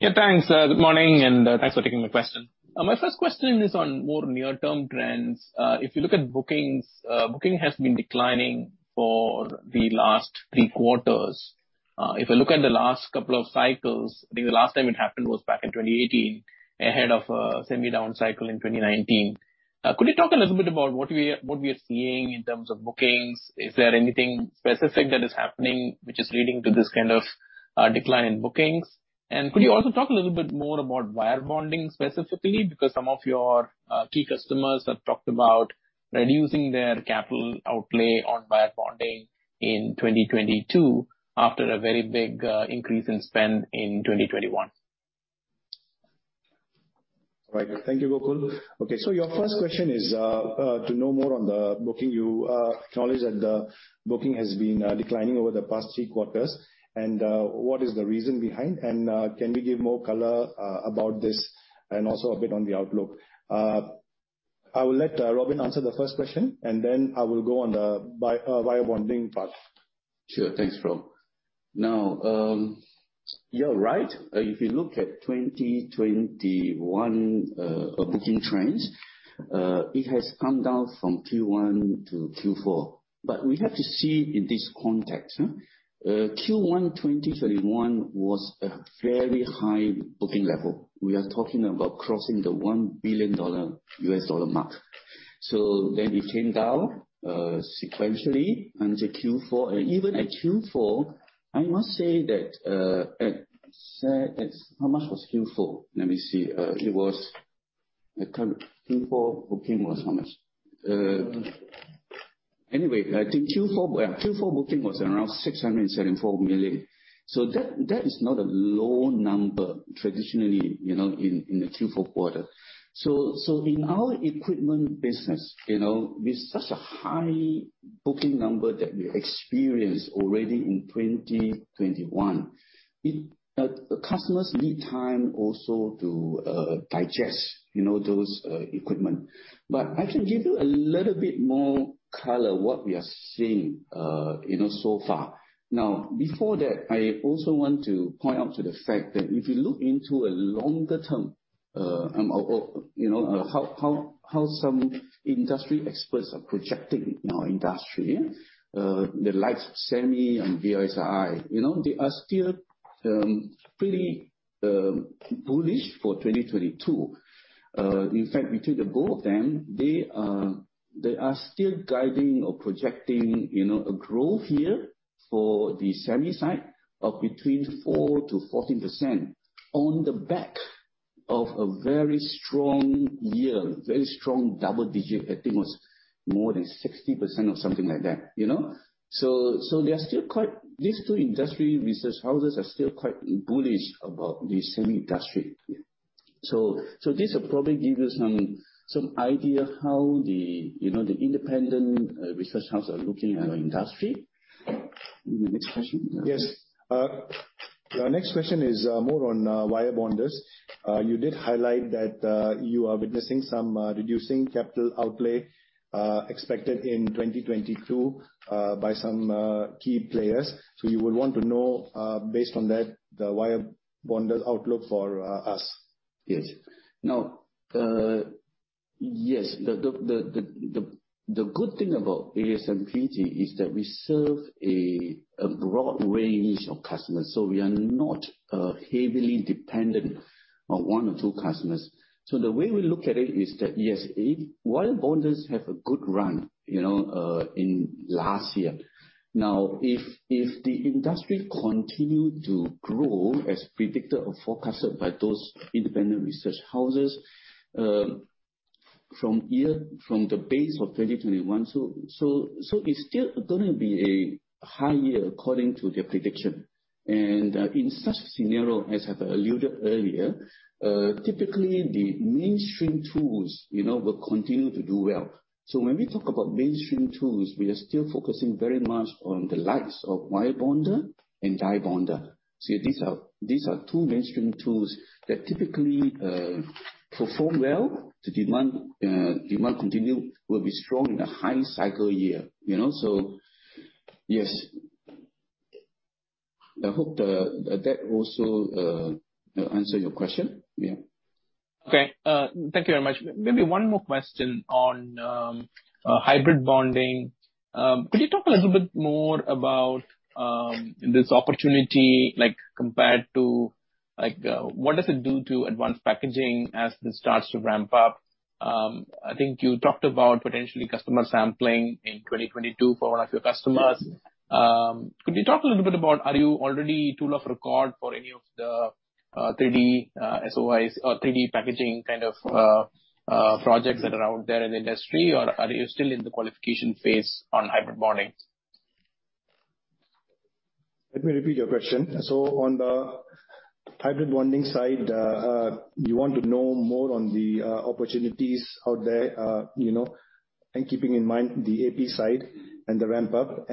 Thanks. Good morning, and thanks for taking the question. My first question is on more near-term trends. If you look at bookings have been declining for the last three quarters. If I look at the last couple of cycles, I think the last time it happened was back in 2018 ahead of semi down cycle in 2019. Could you talk a little bit about what we are seeing in terms of bookings? Is there anything specific that is happening which is leading to this kind of decline in bookings? Could you also talk a little bit more about wire bonding specifically? Because some of your key customers have talked about reducing their capital outlay on wire bonding in 2022 after a very big increase in spend in 2021. All right. Thank you, Gokul. Okay. So your first question is to know more on the booking. You acknowledge that the booking has been declining over the past three quarters, and what is the reason behind? And can we give more color about this and also a bit on the outlook? I will let Robin answer the first question and then I will go on the wire bonding part. Sure. Thanks, Rom. You're right. If you look at 2021 booking trends, it has come down from Q1-Q4. We have to see in this context. Q1 2021 was a very high booking level. We are talking about crossing the $1 billion U.S. dollar mark. It came down sequentially into Q4. Even at Q4, I must say that at... How much was Q4? Let me see. It was... Q4 booking was how much? Anyway, I think Q4 booking was around $674 million. That is not a low number traditionally, you know, in the Q4 quarter. In our equipment business, you know, with such a high booking number that we experienced already in 2021, the customers need time also to digest, you know, those equipment. I can give you a little bit more color what we are seeing so far. Now, before that, I also want to point out to the fact that if you look into a longer term, or you know, how some industry experts are projecting our industry. The likes of SEMI and VLSI. You know, they are still pretty bullish for 2022. In fact, between the both of them, they are still guiding or projecting, you know, a growth here for the SEMI side of between 4%-14% on the back of a very strong year, very strong double digit. I think it was more than 60% or something like that, you know? They are still quite bullish about the SEMI industry. These two industry research houses are still quite bullish about the SEMI industry. This will probably give you some idea how the, you know, the independent research houses are looking at our industry. Next question. Yes. Our next question is more on wire bonders. You did highlight that you are witnessing some reducing capital outlay expected in 2022 by some key players. You would want to know, based on that, the wire bonder outlook for us. Yes. Now, yes. The good thing about ASMPT is that we serve a broad range of customers, so we are not heavily dependent on one or two customers. The way we look at it is that, yes, wire bonders have a good run, you know, in last year. Now, if the industry continue to grow as predicted or forecasted by those independent research houses, from the base of 2021, it's still gonna be a high year according to their prediction. In such a scenario, as I've alluded earlier, typically the mainstream tools, you know, will continue to do well. When we talk about mainstream tools, we are still focusing very much on the likes of wire bonder and die bonder. These are two mainstream tools that typically perform well. The demand will continue to be strong in a high cycle year, you know. Yes. I hope that also answer your question. Yeah. Okay. Thank you very much. Maybe one more question on hybrid bonding. Could you talk a little bit more about this opportunity, like, compared to, like, what does it do to advanced packaging as this starts to ramp up? I think you talked about potentially customer sampling in 2022 for one of your customers. Could you talk a little bit about are you already tool of record for any of the 3D SoICs or 3D packaging kind of projects that are out there in the industry, or are you still in the qualification phase on hybrid bonding? Let me repeat your question. On the hybrid bonding side, you want to know more on the opportunities out there, you know, and keeping in mind the AP side and the ramp up.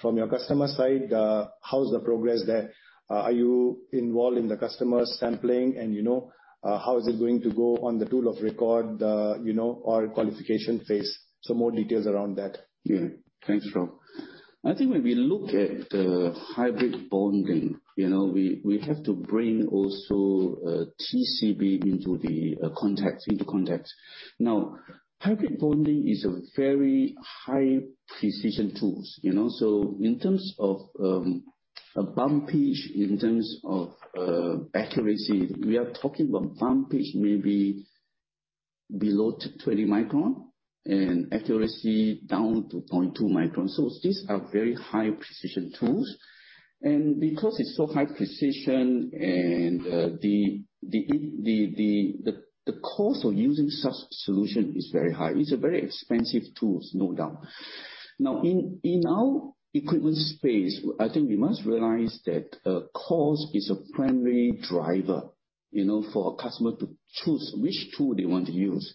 From your customer side, how's the progress there? Are you involved in the customer sampling and, you know, how is it going to go on the tool of record, you know, or qualification phase? More details around that. Yeah. Thanks, Rob. I think when we look at the hybrid bonding, you know, we have to bring also TCB into the context. Now, hybrid bonding is a very high precision tools, you know. So in terms of a pitch, in terms of accuracy, we are talking about pitch maybe below 20 micron and accuracy down to 0.2 microns. These are very high precision tools. Because it's so high precision and the cost of using such solution is very high. It's a very expensive tools, no doubt. Now, in our equipment space, I think we must realize that cost is a primary driver, you know, for a customer to choose which tool they want to use.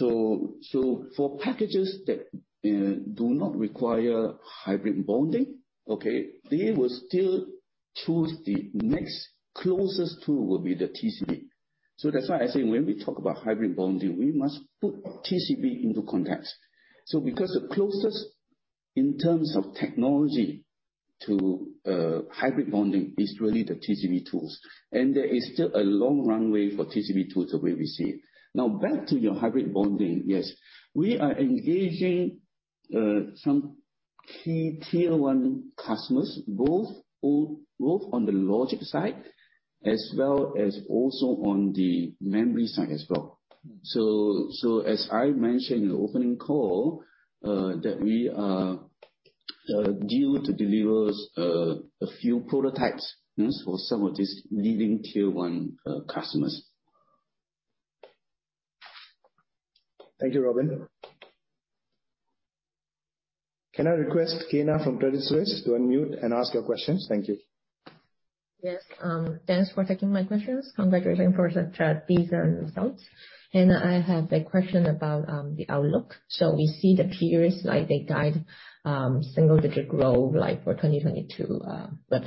For packages that do not require hybrid bonding, okay, they will still choose. The next closest tool will be the TCB. That's why I say when we talk about hybrid bonding, we must put TCB into context. Because the closest in terms of technology to hybrid bonding is really the TCB tools, and there is still a long runway for TCB tools the way we see it. Now, back to your hybrid bonding. Yes, we are engaging some key tier one customers, both on the logic side as well as also on the memory side as well. As I mentioned in the opening call, that we are due to deliver a few prototypes for some of these leading tier one customers. Thank you, Robin. Can I request Kyna from Credit Suisse to unmute and ask your questions? Thank you. Yes. Thanks for taking my questions. Congratulations for the third quarter results. Kyna. I have a question about the outlook. We see the peers like they guide single digit growth like for 2022 for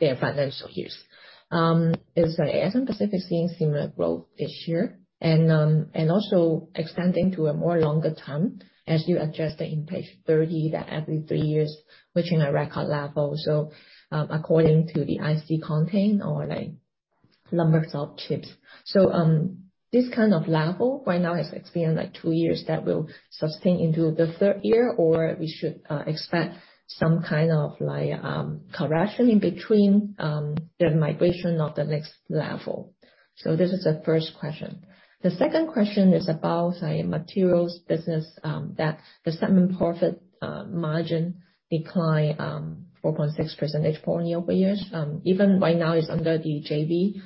their financial years. Is ASM Pacific seeing similar growth this year? And also extending to a longer term as you adjust in page 30 that every three years, which in a record level, so according to the IC content like numbers of chips. This kind of level right now has experienced like two years that will sustain into the third year, or we should expect some kind of like correction in between the migration of the next level. This is the first question. The second question is about the materials business, that the segment profit margin decline 4.6 percentage points year-over-year. Even right now, it's under the JV.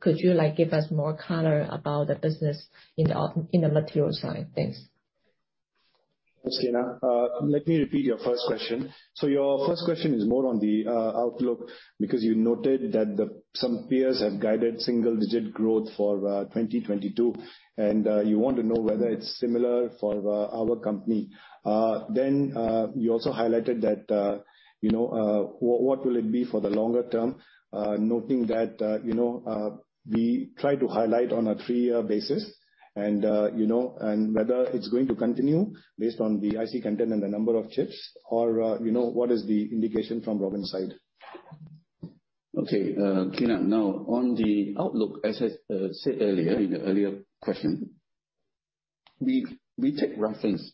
Could you like, give us more color about the business in the material side? Thanks. Thanks, Kyna. Let me repeat your first question. Your first question is more on the outlook, because you noted that some peers have guided single digit growth for 2022, and you want to know whether it's similar for our company. You also highlighted that, you know, what will it be for the longer term, noting that, you know, we try to highlight on a three-year basis and, you know, and whether it's going to continue based on the IC content and the number of chips, or, you know, what is the indication from Robin's side? Okay, Kyna, now on the outlook, as I said earlier in the question, we take reference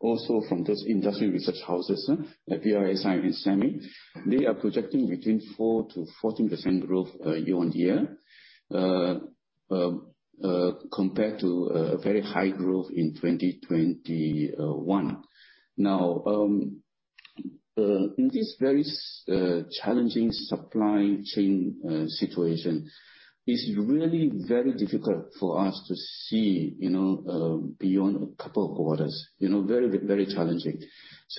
also from this industry research houses like PRSI and SEMI. They are projecting between 4%-14% growth year-on-year, compared to a very high growth in 2021. Now, in this very challenging supply chain situation, it's really very difficult for us to see, you know, beyond a couple of quarters, you know, very challenging.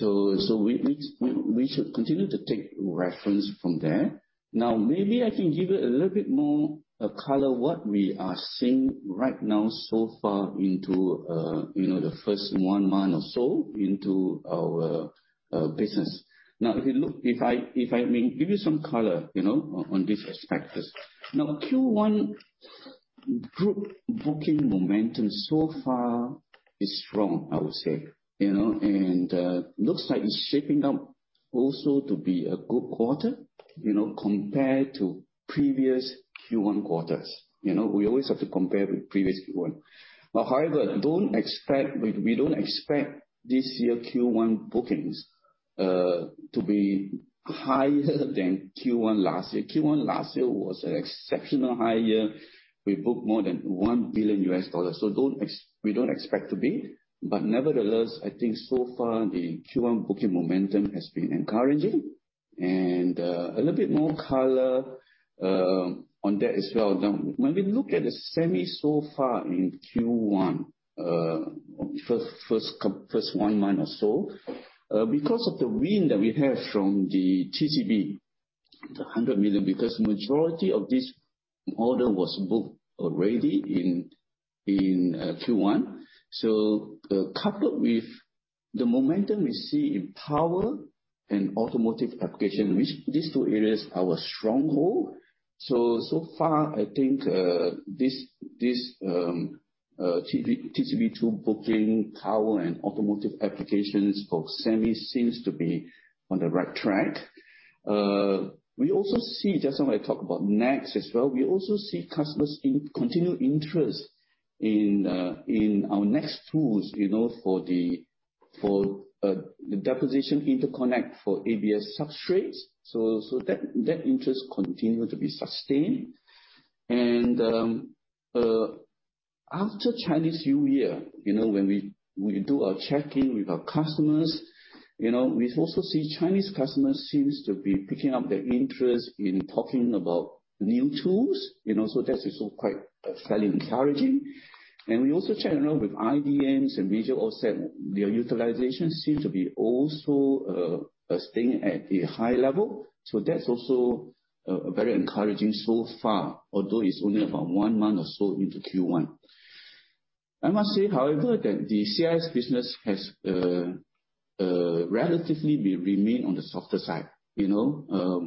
We should continue to take reference from there. Now, maybe I can give you a little bit more color what we are seeing right now so far into, you know, the first 1 month or so into our business. Now, if I may give you some color, you know, on these aspects. Now, Q1 group booking momentum so far is strong, I would say, you know, and looks like it's shaping up also to be a good quarter, you know, compared to previous Q1 quarters. You know, we always have to compare with previous Q1. Now, however, we don't expect this year Q1 bookings to be higher than Q1 last year. Q1 last year was an exceptional high year. We booked more than $1 billion, so we don't expect to be. Nevertheless, I think so far the Q1 booking momentum has been encouraging. A little bit more color on that as well. Now, when we look at the semi so far in Q1, first one month or so, because of the win that we have from the TCB, the 100 million, because majority of this order was booked already in Q1. Coupled with the momentum we see in power and automotive application, which these two areas are our stronghold. So far, I think, this TCB tool booking power and automotive applications for semi seems to be on the right track. We also see, just want to talk about NEXX as well. We also see customers in continued interest in our NEXX tools, you know, for the deposition interconnect for ABF substrates. That interest continue to be sustained. After Chinese New Year, when we do our checking with our customers, we also see Chinese customers seems to be picking up their interest in talking about new tools. That is also quite fairly encouraging. We also check in with IDMs and regional OSATs. Their utilization seem to be also staying at a high level. That's also very encouraging so far. Although it's only about one month or so into Q1. I must say, however, that the CIS business has relatively remained on the softer side, you know.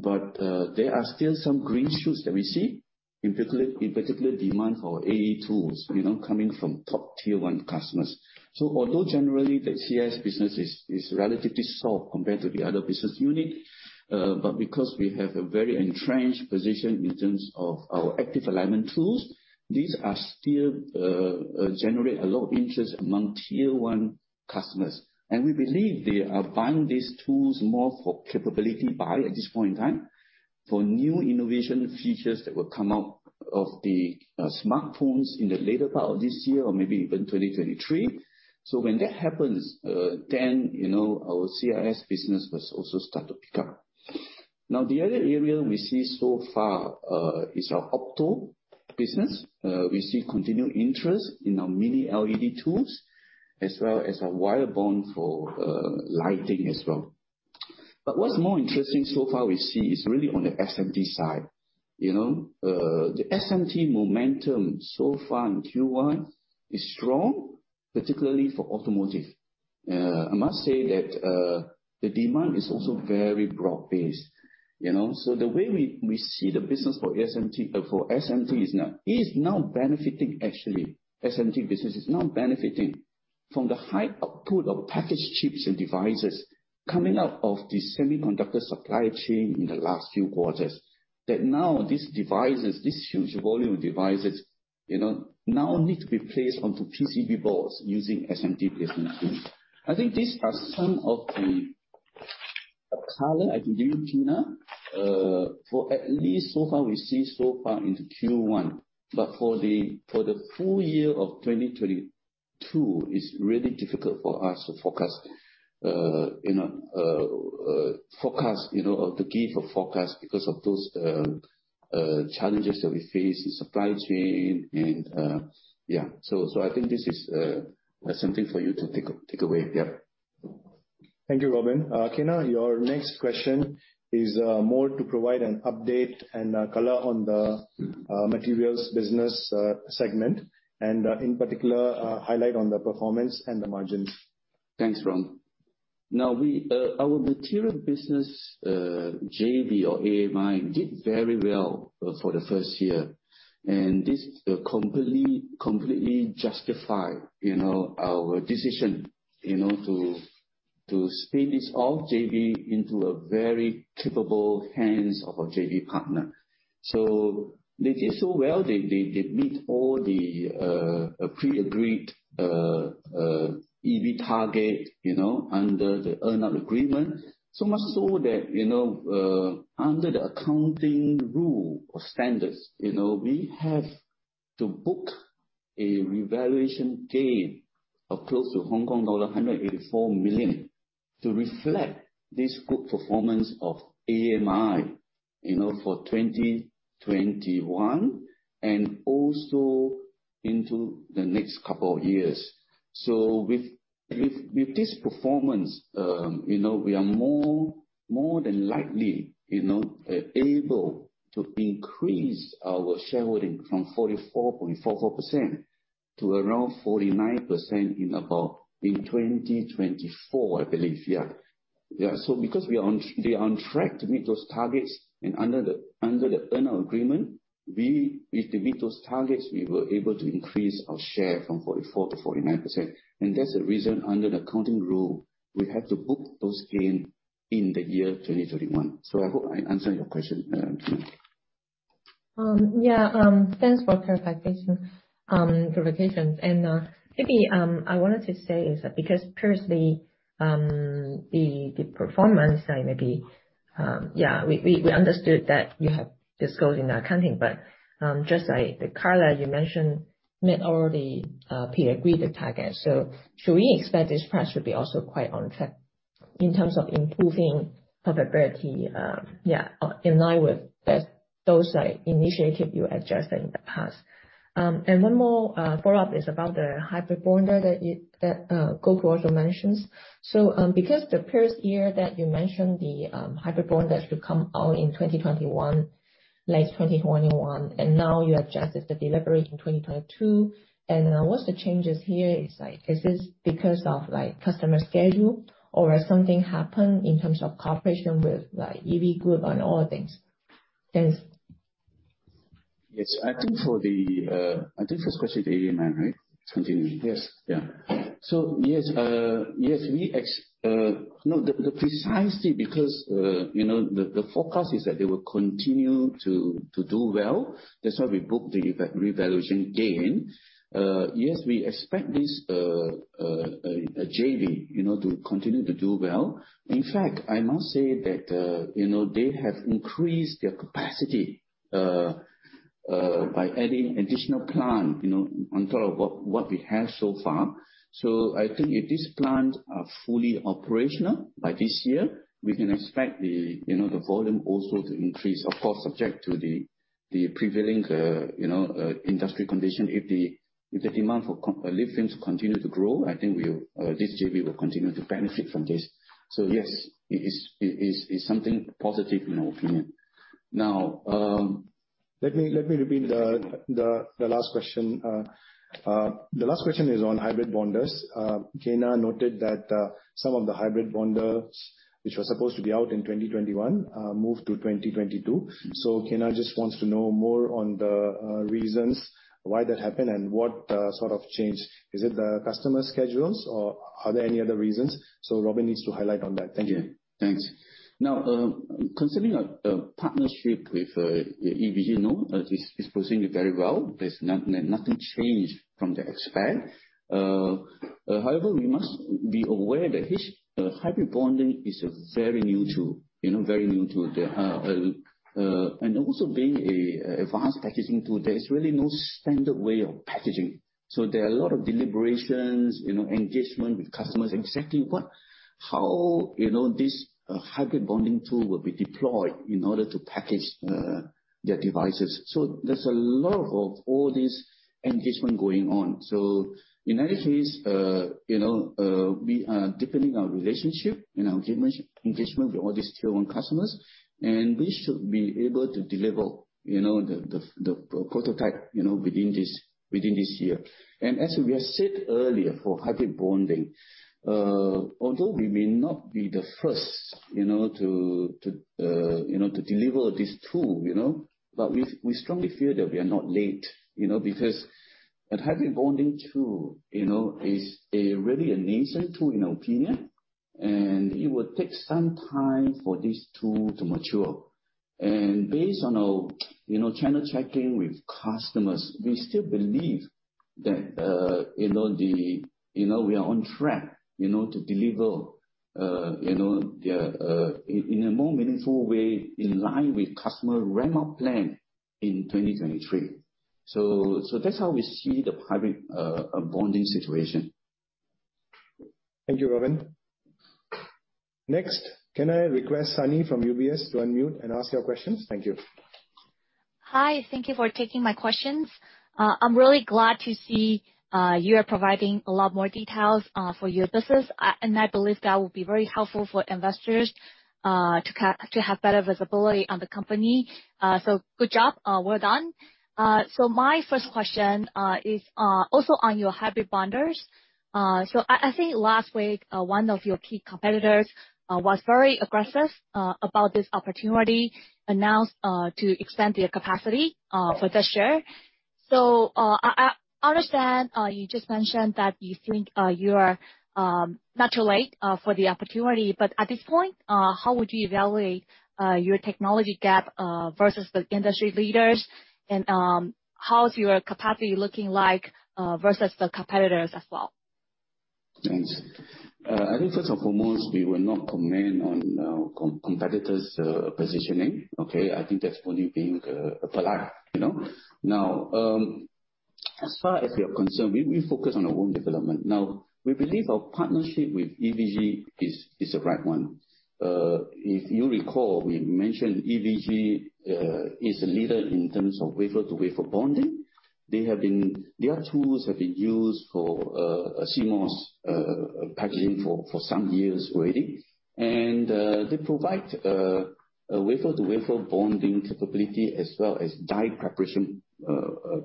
But there are still some green shoots that we see, in particular demand for AE tools, you know, coming from top tier one customers. Although generally the CIS business is relatively soft compared to the other business unit, but because we have a very entrenched position in terms of our active alignment tools, these are still generate a lot of interest among tier one customers. We believe they are buying these tools more for capability buy at this point in time for new innovation features that will come out of the smartphones in the later part of this year or maybe even 2023. When that happens, then, you know, our CIS business will also start to pick up. Now, the other area we see so far is our opto business. We see continued interest in our Mini LED tools, as well as our wire bond for lighting as well. What's more interesting so far we see is really on the SMT side, you know. The SMT momentum so far in Q1 is strong, particularly for automotive. I must say that the demand is also very broad-based, you know. The way we see the business for SMT is now benefiting actually. SMT business is now benefiting from the high output of packaged chips and devices coming out of the semiconductor supply chain in the last few quarters. That now these devices, this huge volume of devices, you know, now need to be placed onto PCB boards using SMT placement tools. I think these are some of the color I can give you, Kyna. For at least so far we've seen so far into Q1. For the full year of 2022, it's really difficult for us to forecast, you know, or to give a forecast because of those challenges that we face in supply chain and. I think this is something for you to take away. Thank you, Robin. Kyna, your next question is more to provide an update and color on the materials business segment and in particular highlight on the performance and the margins. Thanks, Rom. Now our material business JV, or AAMI did very well for the first year. This completely justified, you know, our decision, you know, to spin this JV off into very capable hands of our JV partner. They did so well, they meet all the pre-agreed EV target, you know, under the earnout agreement. So much so that, you know, under the accounting rule or standards, you know, we have to book a revaluation gain of close to Hong Kong dollar 184 million to reflect this good performance of AAMI, you know, for 2021 and also into the next couple of years. With this performance, you know, we are more than likely, you know, able to increase our shareholding from 44.44% to around 49% in about 2024, I believe. Yeah. Yeah. Because they are on track to meet those targets, and under the earnout agreement, if they meet those targets, we will be able to increase our share from 44%-49%. That's the reason, under the accounting rule, we have to book those gains in the year 2021. I hope I answered your question, Kyna. Thanks for clarifications. Maybe I wanted to say is that because previously, the performance, maybe, yeah, we understood that you have disclosed in the accounting, but just like the color you mentioned met all the pre-agreed targets. Should we expect this price should be also quite on track in terms of improving profitability, yeah, in line with that, those like initiative you adjusted in the past? One more follow-up is about the hybrid bonder that you, Gokul also mentions. Because the previous year that you mentioned the hybrid bonder should come out in 2021, and now you adjusted the delivery in 2022. What's the changes here is like, is this because of, like, customer schedule or something happened in terms of cooperation with, like, EV Group and all things? Thanks. Yes. I think this question is to AAMI, right? No, it's precisely because you know the forecast is that they will continue to do well. That's why we booked the revaluation gain. Yes, we expect this JV you know to continue to do well. In fact, I must say that you know they have increased their capacity by adding additional plant you know on top of what we have so far. I think if this plant are fully operational by this year, we can expect you know the volume also to increase, of course, subject to the prevailing you know industry condition. If the demand for lithiums continue to grow, I think this JV will continue to benefit from this. Yes, it is something positive in our opinion. Now, Let me repeat the last question. The last question is on hybrid bonders. Kyna noted that some of the hybrid bonders which were supposed to be out in 2021 moved to 2022. Kyna just wants to know more on the reasons why that happened and what sort of change. Is it the customer schedules or are there any other reasons? Robin needs to highlight on that. Thank you. Yeah. Thanks. Now, considering our partnership with EVG, you know, is proceeding very well. There's nothing changed from the expected. However, we must be aware that this hybrid bonding is a very new tool. You know, very new tool. Also being an advanced packaging tool, there is really no standard way of packaging. So there are a lot of deliberations, you know, engagement with customers, exactly what, how, you know, this hybrid bonding tool will be deployed in order to package their devices. So there's a lot of all this engagement going on. In any case, you know, we are deepening our relationship and our engagement with all these Tier One customers, and we should be able to deliver, you know, the prototype, you know, within this year. As we have said earlier, for hybrid bonding, although we may not be the first, you know, to deliver this tool, you know, but we strongly feel that we are not late. You know, because a hybrid bonding tool, you know, is really a nascent tool, in our opinion, and it will take some time for this tool to mature. Based on our, you know, channel checking with customers, we still believe that, you know, the... You know, we are on track, you know, to deliver you know in a more meaningful way in line with customer ramp-up plan in 2023. That's how we see the hybrid bonding situation. Thank you, Robin. Next, can I request Sunny from UBS to unmute and ask your questions? Thank you. Hi. Thank you for taking my questions. I'm really glad to see you are providing a lot more details for your business. I believe that will be very helpful for investors to have better visibility on the company. Good job. Well done. My first question is also on your hybrid bonders. I think last week one of your key competitors was very aggressive about this opportunity, announced to extend their capacity for this year. I understand you just mentioned that you think you are not too late for the opportunity. At this point how would you evaluate your technology gap versus the industry leaders? How's your capacity looking like versus the competitors as well? Thanks. I think first and foremost, we will not comment on competitors' positioning. Okay? I think that's only being polite, you know. Now, as far as we are concerned, we focus on our own development. Now, we believe our partnership with EVG is the right one. If you recall, we mentioned EVG is a leader in terms of wafer-to-wafer bonding. Their tools have been used for CMOS packaging for some years already. They provide a wafer-to-wafer bonding capability as well as die preparation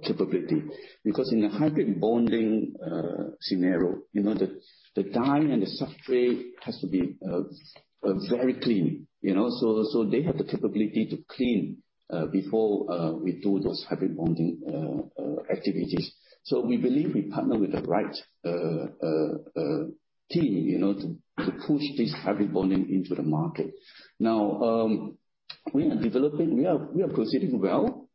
capability. Because in a hybrid bonding scenario, you know, the die and the substrate has to be very clean, you know. They have the capability to clean before we do those hybrid bonding activities. We believe we partner with the right team, you know, to push this hybrid bonding into the market. We are proceeding well.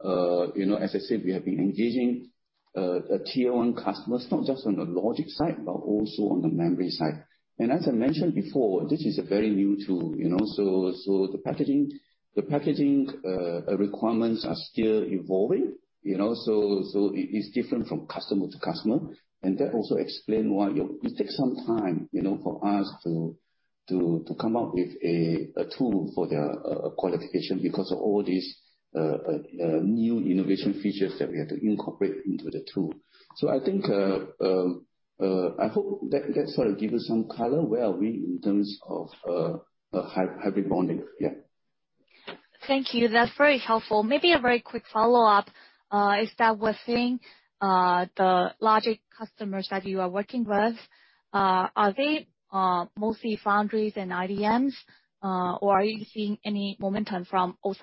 You know, as I said, we have been engaging Tier One customers, not just on the logic side, but also on the memory side. As I mentioned before, this is a very new tool, you know. The packaging requirements are still evolving, you know. It's different from customer to customer, and that also explain why it takes some time, you know, for us to come up with a tool for the qualification because of all these new innovation features that we have to incorporate into the tool. I think I hope that that sort of give you some color where are we in terms of a hybrid bonding. Yeah. Thank you. That's very helpful. Maybe a very quick follow-up, is that we're seeing, the logic customers that you are working with, are they, mostly foundries and IDMs? Or are you seeing any momentum from OSATs?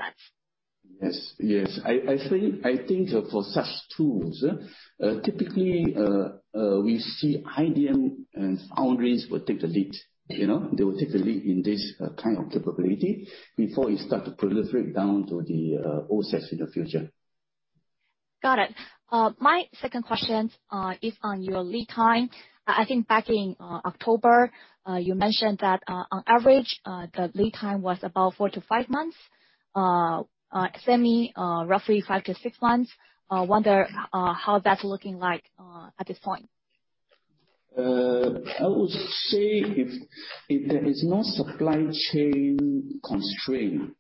Yes. I think for such tools, typically, we see IDM and foundries will take the lead. You know? They will take the lead in this kind of capability before it start to proliferate down to the OSATs in the future. Got it. My second question is on your lead time. I think back in October, you mentioned that on average the lead time was about 4-5 months, roughly 5-6 months. I wonder how that's looking like at this point. I would say if there is no supply chain constraint,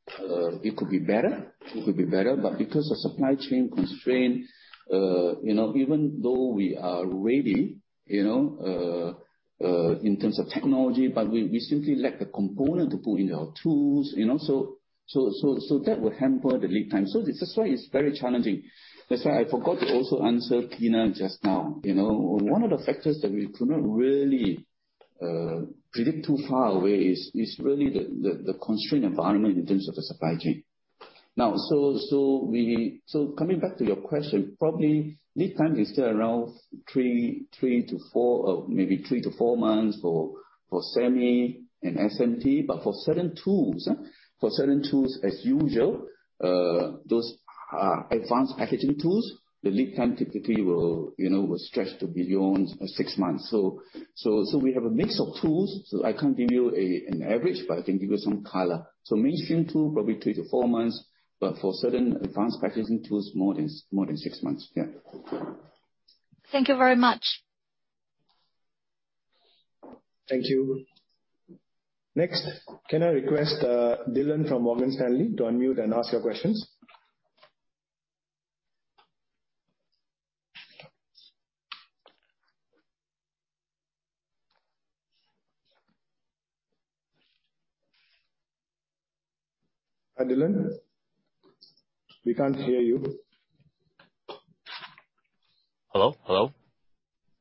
it could be better. It could be better. Because of supply chain constraint, you know, even though we are ready, you know, in terms of technology, but we simply lack the component to put into our tools, you know? That will hamper the lead time. That's why it's very challenging. That's why I forgot to also answer Kyna just now. You know, one of the factors that we could not really predict too far away is really the constrained environment in terms of the supply chain. Coming back to your question, probably lead time is still around three to four months for semi and SMT. For certain tools as usual, those advanced packaging tools, the lead time typically will stretch to beyond six months. We have a mix of tools, so I can't give you an average, but I can give you some color. Mainstream tool, probably three to four months, but for certain advanced packaging tools, more than six months. Thank you very much. Thank you. Next, can I request, Dylan from Morgan Stanley to unmute and ask your questions? Hi, Dylan. We can't hear you. Hello? Hello?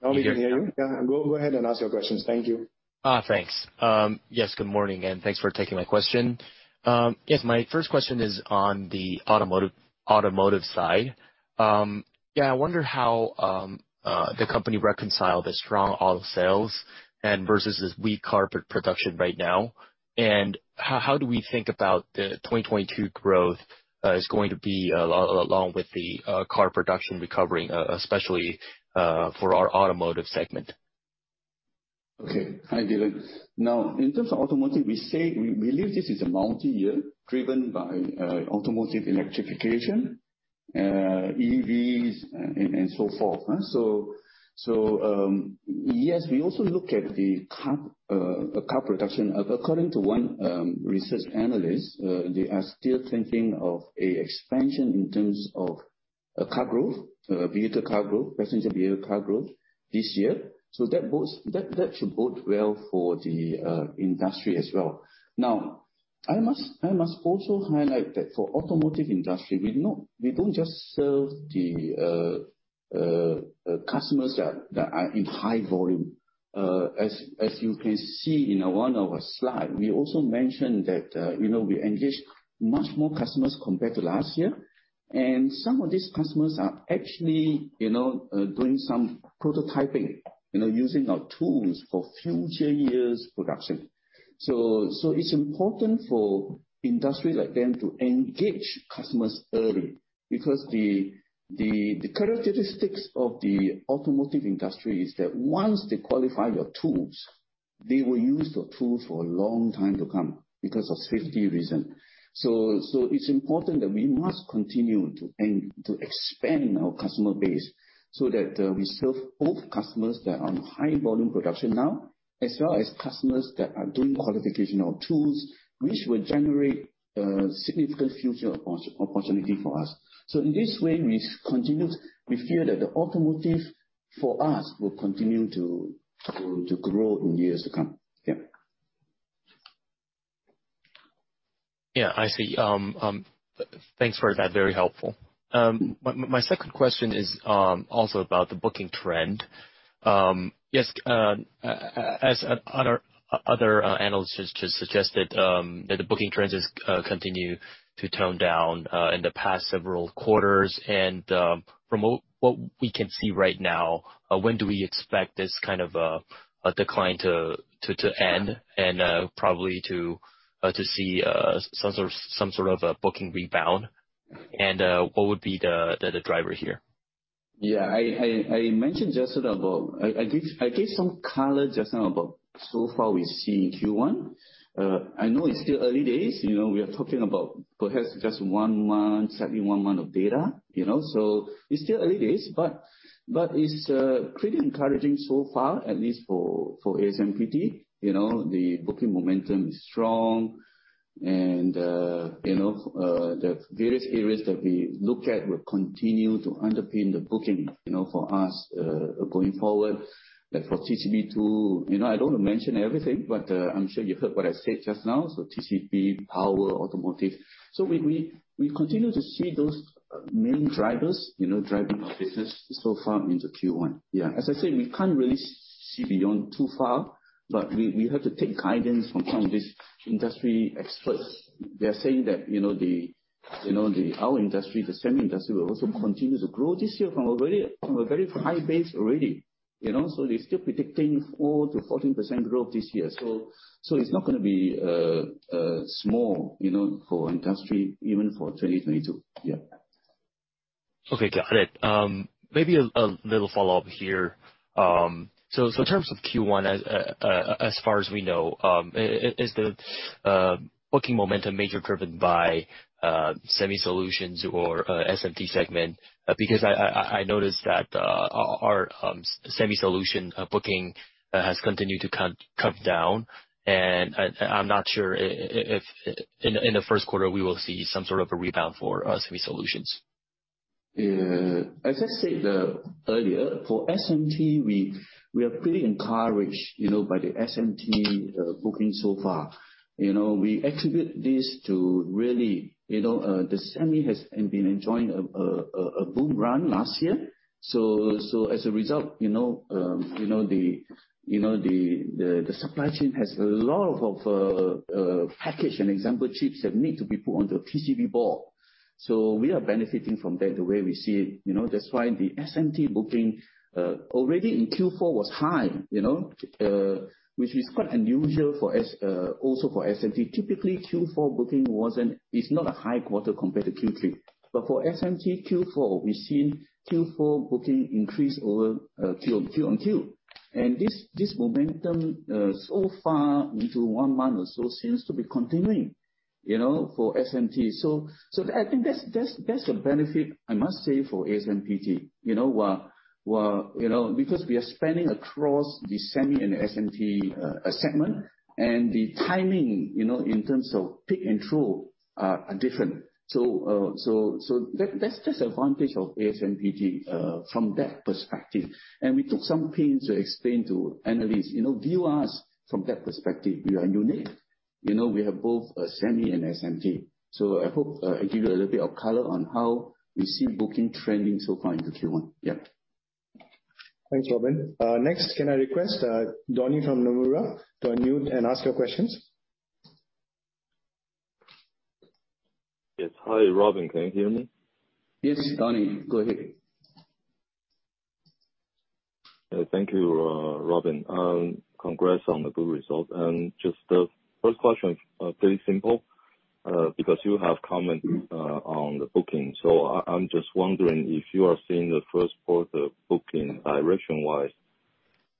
Now we can hear you. Yeah, go ahead and ask your questions. Thank you. Thanks. Yes, good morning, and thanks for taking my question. Yes, my first question is on the automotive side. I wonder how the company reconciled the strong auto sales versus this weak car production right now, and how do we think about the 2022 growth is going to be along with the car production recovering, especially for our automotive segment? Okay. Hi, Dylan. Now, in terms of automotive, we believe this is a multi-year driven by automotive electrification, EVs and so forth. Yes, we also look at the car production. According to one research analyst, they are still thinking of a expansion in terms of car growth, vehicle car growth, passenger vehicle car growth this year. That should bode well for the industry as well. Now, I must also highlight that for automotive industry, we don't just sell to the customers that are in high volume. As you can see in one of our slide, we also mentioned that, you know, we engage much more customers compared to last year, and some of these customers are actually, you know, doing some prototyping, you know, using our tools for future years' production. It's important for industry like them to engage customers early because the characteristics of the automotive industry is that once they qualify your tools, they will use your tool for a long time to come because of safety reason. It's important that we must continue to expand our customer base so that we serve both customers that are on high volume production now, as well as customers that are doing qualification of tools, which will generate significant future opportunity for us. In this way, we continue. We feel that the automotive for us will continue to grow in years to come. Yeah. Yeah, I see. Thanks for that. Very helpful. My second question is also about the booking trend. As other analysts have just suggested, that the booking trends has continue to tone down in the past several quarters. From what we can see right now, when do we expect this kind of a decline to end and probably to see some sort of a booking rebound? What would be the driver here? Yeah. I mentioned just now. I gave some color just now about so far we've seen in Q1. I know it's still early days. You know, we are talking about perhaps just one month, certainly one month of data, you know. It's still early days, but it's pretty encouraging so far, at least for ASMPT. You know, the booking momentum is strong and you know, the various areas that we look at will continue to underpin the booking, you know, for us going forward. Like for TCB too, you know, I don't want to mention everything, but I'm sure you heard what I said just now. TCB, Power, Automotive. We continue to see those main drivers, you know, driving our business so far into Q1. Yeah. As I said, we can't really see beyond too far, but we have to take guidance from some of these industry experts. They're saying that, you know, our industry, the semi industry, will also continue to grow this year from a very high base already. You know? They're still predicting 4%-14% growth this year. It's not gonna be small, you know, for industry even for 2022. Yeah. Okay. Got it. Maybe a little follow-up here. So in terms of Q1, as far as we know, is the booking momentum mainly driven by Semi Solutions or SMT segment? Because I noticed that our Semi Solutions booking has continued to come down, and I'm not sure if in the first quarter we will see some sort of a rebound for Semi Solutions. Yeah. As I said, earlier, for SMT, we are pretty encouraged, you know, by the SMT booking so far. You know, we attribute this to really, you know, the semi has been enjoying a boom run last year. So as a result, you know, you know, the supply chain has a lot of packaged and assembled chips that need to be put onto a PCB board. So we are benefiting from that, the way we see it. You know, that's why the SMT booking already in Q4 was high, you know, which is quite unusual for also for SMT. Typically, Q4 booking is not a high quarter compared to Q3. But for SMT Q4, we've seen Q4 booking increase over Q on Q. This momentum so far into one month or so seems to be continuing, you know, for SMT. I think that's a benefit, I must say, for ASMPT, you know. While you know because we are spending across the semi and SMT segment and the timing, you know, in terms of peak and trough are different. That's just advantage of ASMPT from that perspective. We took some pains to explain to analysts. You know, view us from that perspective. We are unique. You know, we have both semi and SMT. I hope I give you a little bit of color on how we see booking trending so far into Q1. Yeah. Thanks, Robin. Next, can I request Donnie from Nomura to unmute and ask your questions? Yes. Hi, Robin. Can you hear me? Yes, Donnie. Go ahead. Thank you, Robin, and congrats on the good result. Just the first question, pretty simple, because you have commented on the booking. I'm just wondering if you are seeing the first quarter booking direction-wise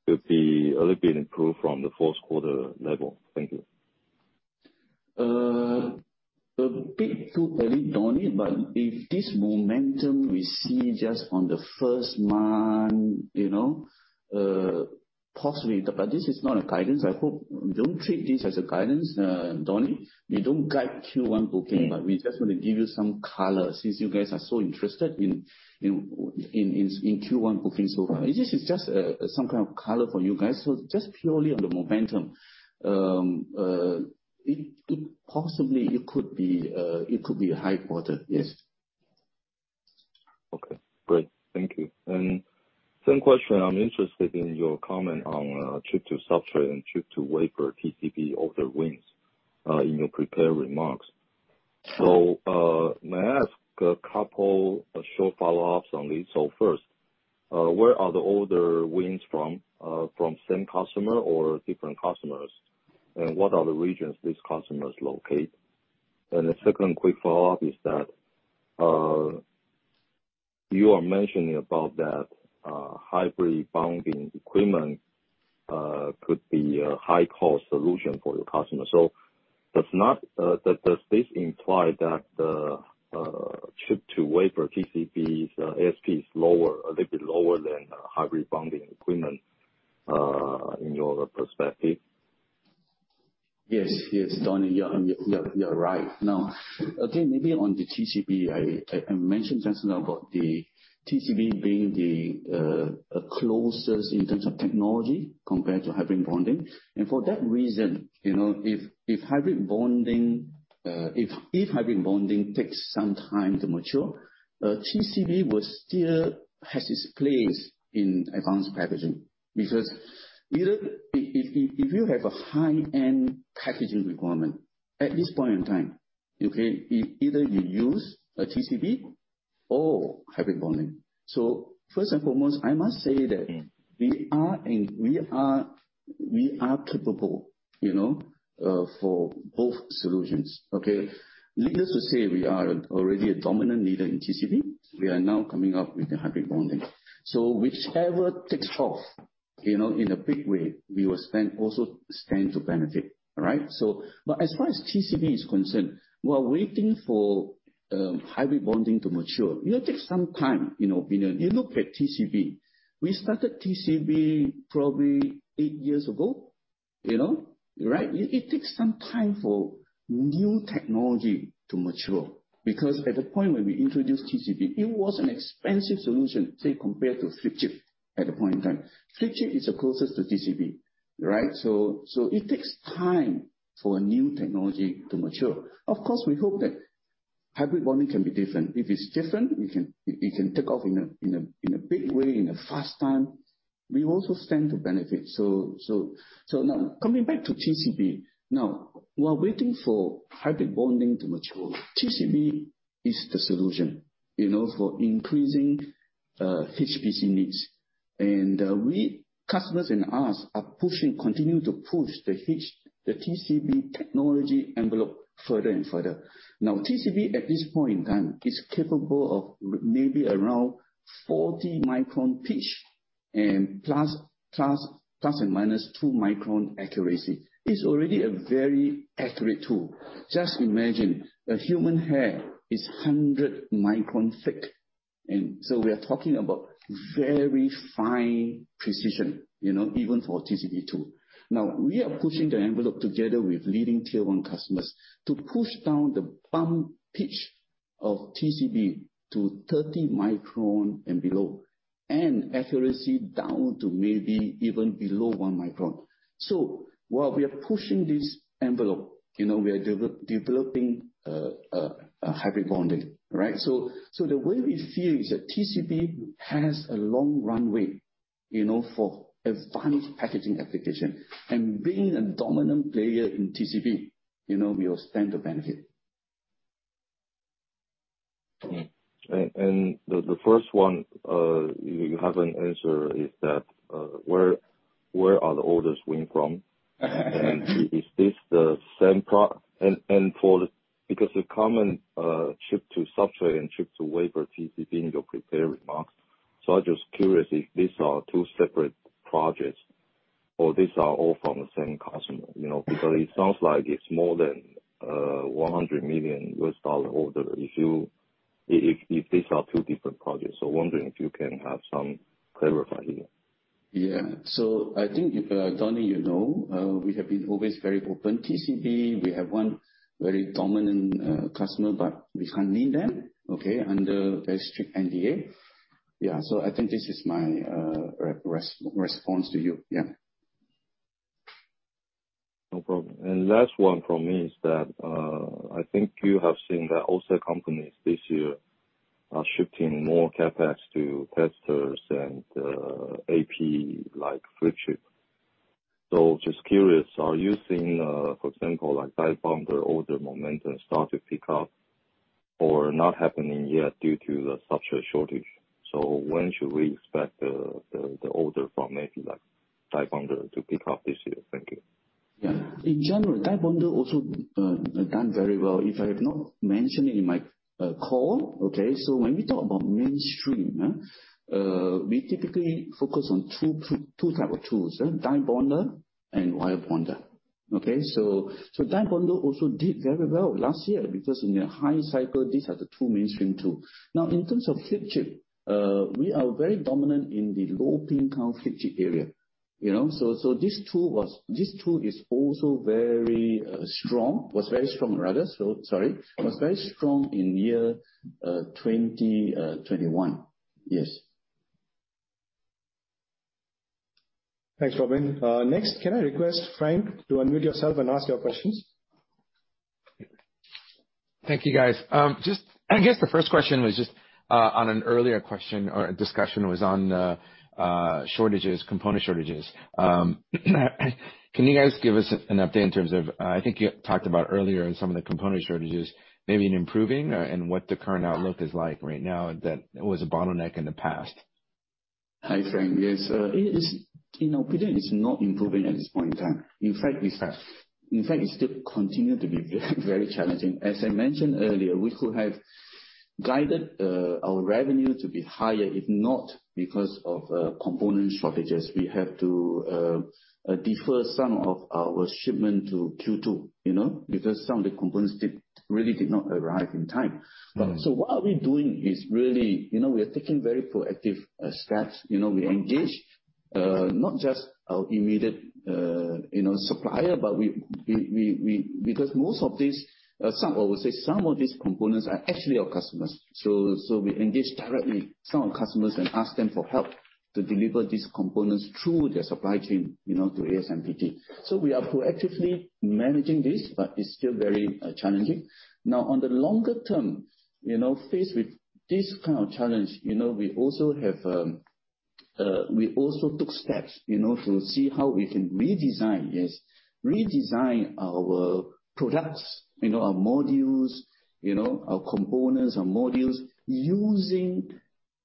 could be a little bit improved from the fourth quarter level. Thank you. A bit too early, Donnie. If this momentum we see just on the first month, you know, possibly. This is not a guidance. I hope you don't treat this as a guidance, Donnie. We don't guide Q1 booking, but we just want to give you some color since you guys are so interested in Q1 booking so far. This is just some kind of color for you guys. Just purely on the momentum, it possibly could be a high quarter. Yes. Okay. Great. Thank you. Same question, I'm interested in your comment on chip-to-substrate and chip-to-wafer TCB order wins in your prepared remarks. May I ask a couple short follow-ups on this? First, where are the order wins from? From same customer or different customers? What are the regions these customers locate? Second quick follow-up is that you are mentioning about that hybrid bonding equipment could be a high-cost solution for your customers. Does this imply that the chip-to-wafer TCBs ASP is lower, a little bit lower than hybrid bonding equipment in your perspective? Yes. Yes, Donnie, you are right. Now, again, maybe on the TCB, I mentioned just now about the TCB being the closest in terms of technology compared to hybrid bonding. For that reason, you know, if hybrid bonding takes some time to mature, TCB will still has its place in advanced packaging. Because if you have a high-end packaging requirement, at this point in time, okay, either you use a TCB or hybrid bonding. First and foremost, I must say that we are capable, you know, for both solutions, okay? Needless to say, we are already a dominant leader in TCB. We are now coming up with the hybrid bonding. Whichever takes off, you know, in a big way, we will also stand to benefit. All right. But as far as TCB is concerned, we are waiting for hybrid bonding to mature. It'll take some time, you know. You look at TCB, we started TCB probably eight years ago, you know. Right. It takes some time for new technology to mature, because at the point when we introduced TCB, it was an expensive solution to compare to flip chip at that point in time. Flip chip is the closest to TCB, right. It takes time for a new technology to mature. Of course, we hope that hybrid bonding can be different. If it's different, it can take off in a big way, in a fast time. We also stand to benefit. Now coming back to TCB. While waiting for hybrid bonding to mature, TCB is the solution, you know, for increasing HPC needs. We customers and us are pushing, continue to push the TCB technology envelope further and further. TCB at this point in time is capable of maybe around 40-micron pitch and plus and minus 2-micron accuracy. It's already a very accurate tool. Just imagine, a human hair is 100 micron thick, and so we are talking about very fine precision, you know, even for TCB tool. We are pushing the envelope together with leading tier one customers to push down the bump pitch of TCB to 30 micron and below, and accuracy down to maybe even below 1 micron. While we are pushing this envelope, you know, we are developing a hybrid bonding, right? The way we feel is that TCB has a long runway, you know, for advanced packaging application. Being a dominant player in TCB, you know, we will stand to benefit. The first one you haven't answered is that where are the orders coming from? Because the common chip-to-substrate and chip-to-wafer TCB in your prepared remarks, so I'm just curious if these are two separate projects or these are all from the same customer, you know? Mm-hmm. Because it sounds like it's more than $100 million order if these are two different projects. Wondering if you can have some clarification here. Yeah. I think, Donnie, you know, we have been always very open. TCB, we have one very dominant customer, but we can't name them, okay? Yeah. I think this is my response to you. Yeah. No problem. Last one from me is that, I think you have seen that also companies this year are shifting more CapEx to testers and, AP like flip chip. Just curious, are you seeing, for example, like die bonder order momentum start to pick up or not happening yet due to the substrate shortage? When should we expect, the order from maybe like die bonder to pick up this year? Thank you. Yeah. In general, die bonder also done very well. If I have not mentioned it in my call, okay, when we talk about mainstream, we typically focus on two types of tools, yeah, die bonder and wire bonder. Okay. Die bonder also did very well last year because in a high cycle, these are the two mainstream tool. Now, in terms of flip chip, we are very dominant in the low pin count flip chip area, you know. This tool was also very strong. Was very strong rather. Sorry. Was very strong in year 2021. Yes. Thanks, Robin. Next, can I request Frank to unmute yourself and ask your questions? Thank you, guys. I guess the first question was just on an earlier question or a discussion on shortages, component shortages. Can you guys give us an update in terms of, I think you talked about earlier in some of the component shortages maybe in improving and what the current outlook is like right now that was a bottleneck in the past? Hi, Frank. Yes. It is, you know, pretty. It's not improving at this point in time. In fact, it still continue to be very challenging. As I mentioned earlier, we could have guided our revenue to be higher, if not because of component shortages. We have to defer some of our shipment to Q2, you know? Because some of the components really did not arrive in time. Mm-hmm. What we are doing is really, you know, we are taking very proactive steps. You know, we engage not just our immediate, you know, supplier, but we because most of these, I would say some of these components are actually our customers. We engage directly some of our customers and ask them for help to deliver these components through their supply chain, you know, to ASMPT. We are proactively managing this, but it's still very challenging. Now, on the longer term, you know, faced with this kind of challenge, you know, we also have, we also took steps, you know, to see how we can redesign, yes, redesign our products, you know, our modules, you know, our components, our modules, using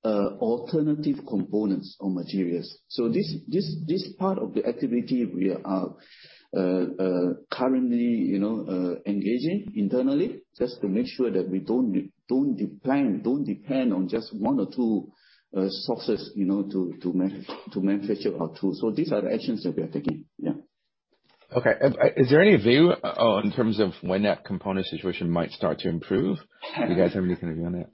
alternative components or materials. This part of the activity we are currently, you know, engaging internally just to make sure that we don't depend on just one or two sources, you know, to manufacture our tools. These are the actions that we are taking. Yeah. Okay. Is there any view in terms of when that component situation might start to improve? You guys have any kind of view on that?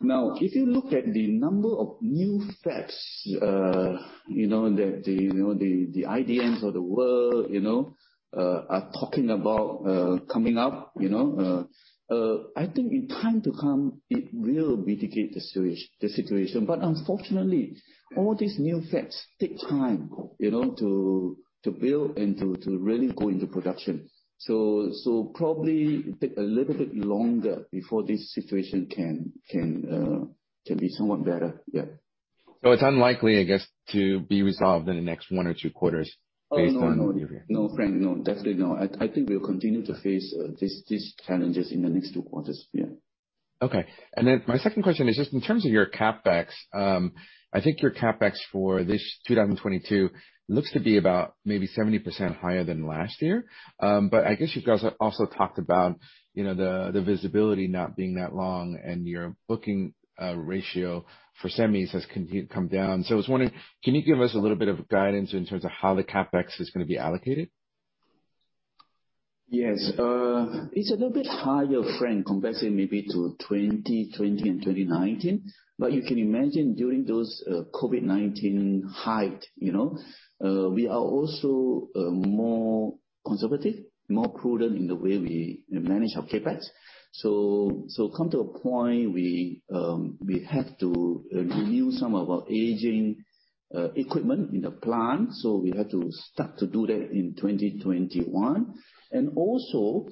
Now, if you look at the number of new fabs, you know, the IDMs of the world, you know, are talking about coming up, you know, I think in time to come, it will mitigate the situation. Unfortunately, all these new fabs take time, you know, to build and to really go into production. Probably take a little bit longer before this situation can be somewhat better. Yeah. It's unlikely, I guess, to be resolved in the next one or two quarters based on. No, no. Your view? No, Frank, no. Definitely, no. I think we'll continue to face these challenges in the next two quarters. Yeah. Okay. My second question is just in terms of your CapEx. I think your CapEx for this 2022 looks to be about maybe 70% higher than last year. But I guess you guys have also talked about, you know, the visibility not being that long and your book-to-bill ratio for semis has come down. I was wondering, can you give us a little bit of guidance in terms of how the CapEx is gonna be allocated? Yes. It's a little bit higher frame compared to maybe 2020 and 2019. You can imagine during those COVID-19 height, you know, we are also more conservative, more prudent in the way we manage our CapEx. Come to a point, we have to renew some of our aging equipment in the plant, so we have to start to do that in 2021. Also,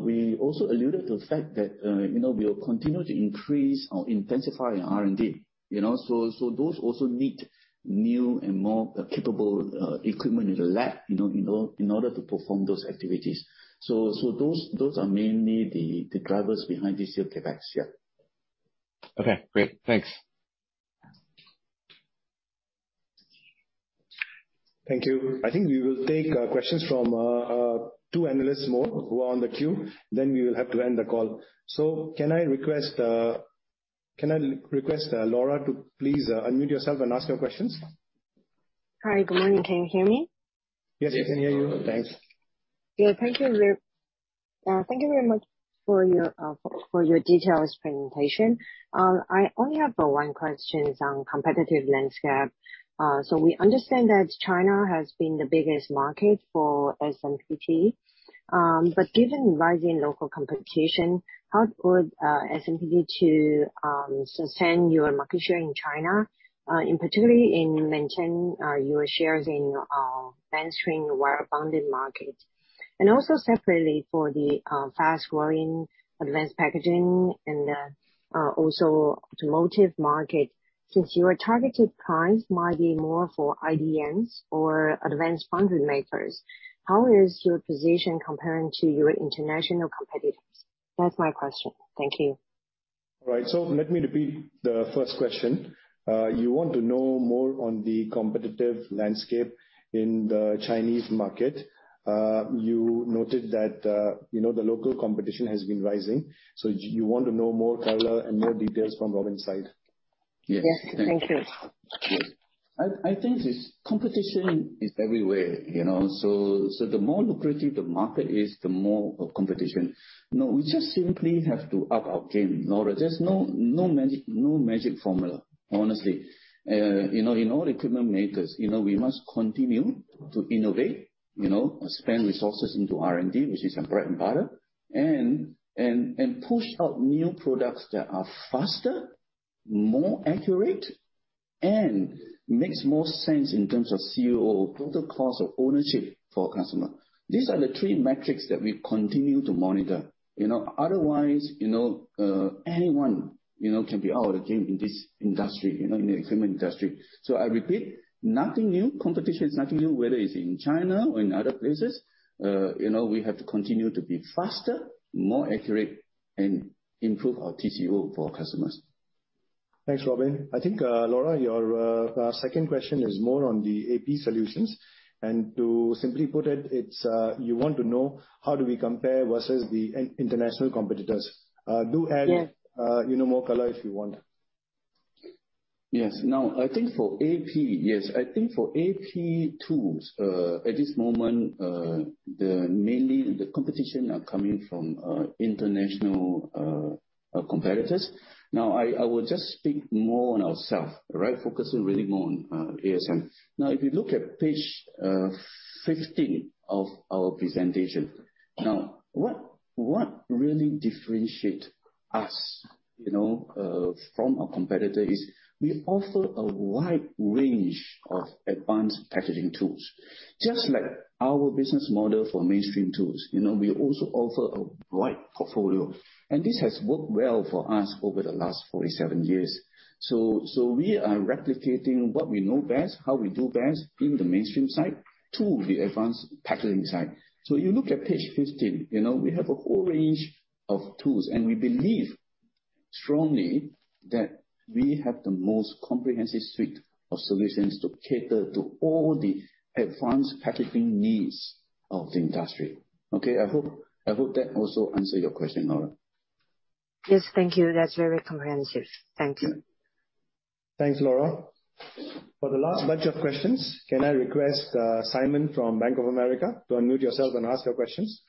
we also alluded to the fact that, you know, we will continue to increase or intensify our R&D. You know, those also need new and more capable equipment in the lab, you know, in order to perform those activities. Those are mainly the drivers behind this year CapEx. Yeah. Okay, great. Thanks. Thank you. I think we will take questions from two analysts more who are on the queue, then we will have to end the call. Can I request Laura to please unmute yourself and ask your questions? Hi. Good morning. Can you hear me? Yes, we can hear you. Thanks. Yeah, thank you very much for your detailed presentation. I only have one question on competitive landscape. We understand that China has been the biggest market for ASMPT. Given rising local competition, how could ASMPT sustain your market share in China, in particular in maintaining your shares in the mainstream wire bonding market? Also separately for the fast-growing advanced packaging and also automotive market. Since your targeted clients might be more for IDMs or advanced foundry makers, how is your position comparing to your international competitors? That's my question. Thank you. All right, let me repeat the first question. You want to know more on the competitive landscape in the Chinese market. You noted that, you know, the local competition has been rising, so you want to know more color and more details from Robin's side. Yes. Thank you. Yes. I think this competition is everywhere, you know. The more lucrative the market is, the more competition. You know, we just simply have to up our game, Laura. There's no magic formula, honestly. You know, in all equipment makers, you know, we must continue to innovate, you know, spend resources into R&D, which is our bread and butter, and push out new products that are faster, more accurate, and makes more sense in terms of TCO or total cost of ownership for a customer. These are the three metrics that we continue to monitor. You know, otherwise, anyone, you know, can be out of the game in this industry, you know, in the equipment industry. I repeat, nothing new. Competition is nothing new, whether it's in China or in other places. You know, we have to continue to be faster, more accurate, and improve our TCO for our customers. Thanks, Robin. I think, Laura, your second question is more on the AP solutions. To simply put it's you want to know how do we compare versus the international competitors. Yeah. You know, more color if you want. Yes. Now, I think for AP tools, at this moment, mainly the competition are coming from international competitors. Now, I will just speak more on ourself, right? Focusing really more on ASM. Now, if you look at page 15 of our presentation. What really differentiate us, you know, from our competitor is we offer a wide range of advanced packaging tools. Just like our business model for mainstream tools, you know, we also offer a wide portfolio. This has worked well for us over the last 47 years. So we are replicating what we know best, how we do best in the mainstream side to the advanced packaging side. You look at page 15, you know, we have a whole range of tools, and we believe strongly that we have the most comprehensive suite of solutions to cater to all the advanced packaging needs of the industry. Okay? I hope that also answers your question, Laura. Yes. Thank you. That's very comprehensive. Thank you. Thanks, Laura. For the last batch of questions, can I request, Simon from Bank of America to unmute yourself and ask your questions?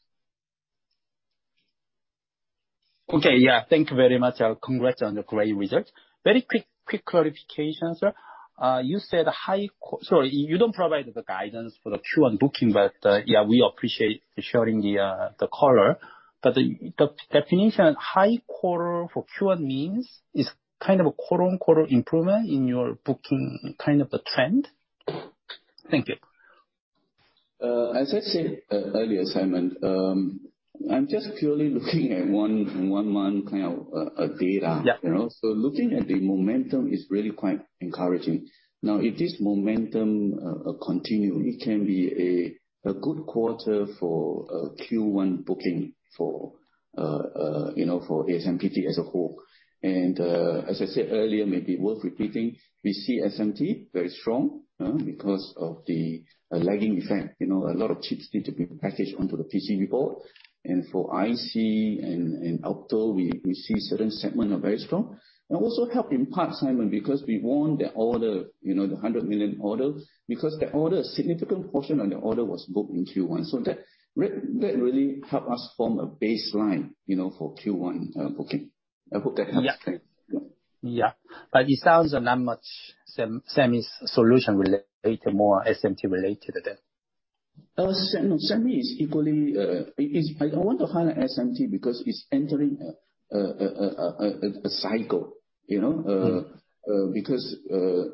Okay. Yeah. Thank you very much. Congrats on the great result. Very quick clarification, sir. Sorry, you don't provide the guidance for the Q1 booking, but yeah, we appreciate showing the color. The definition high quarter for Q1 means is kind of a quarter-on-quarter improvement in your booking kind of a trend? Thank you. As I said earlier, Simon, I'm just purely looking at one month kind of data. Yeah. You know? Looking at the momentum is really quite encouraging. Now, if this momentum continue, it can be a good quarter for you know, for ASMPT as a whole. As I said earlier, maybe worth repeating, we see SMT very strong, because of the lagging effect. You know, a lot of chips need to be packaged onto the PC board. For IC and outdoor, we see certain segment are very strong. Also help in part, Simon, because we won the order, you know, the 100 million order, because the order, a significant portion of the order was booked in Q1. That really helped us form a baseline, you know, for Q1 booking. I hope that helps. Yeah. Thanks. Yeah. Yeah. It sounds not much semi solution related, more SMT related than. SEMI is equally. I don't want to highlight SMT, because it's entering a cycle, you know? Mm-hmm. Because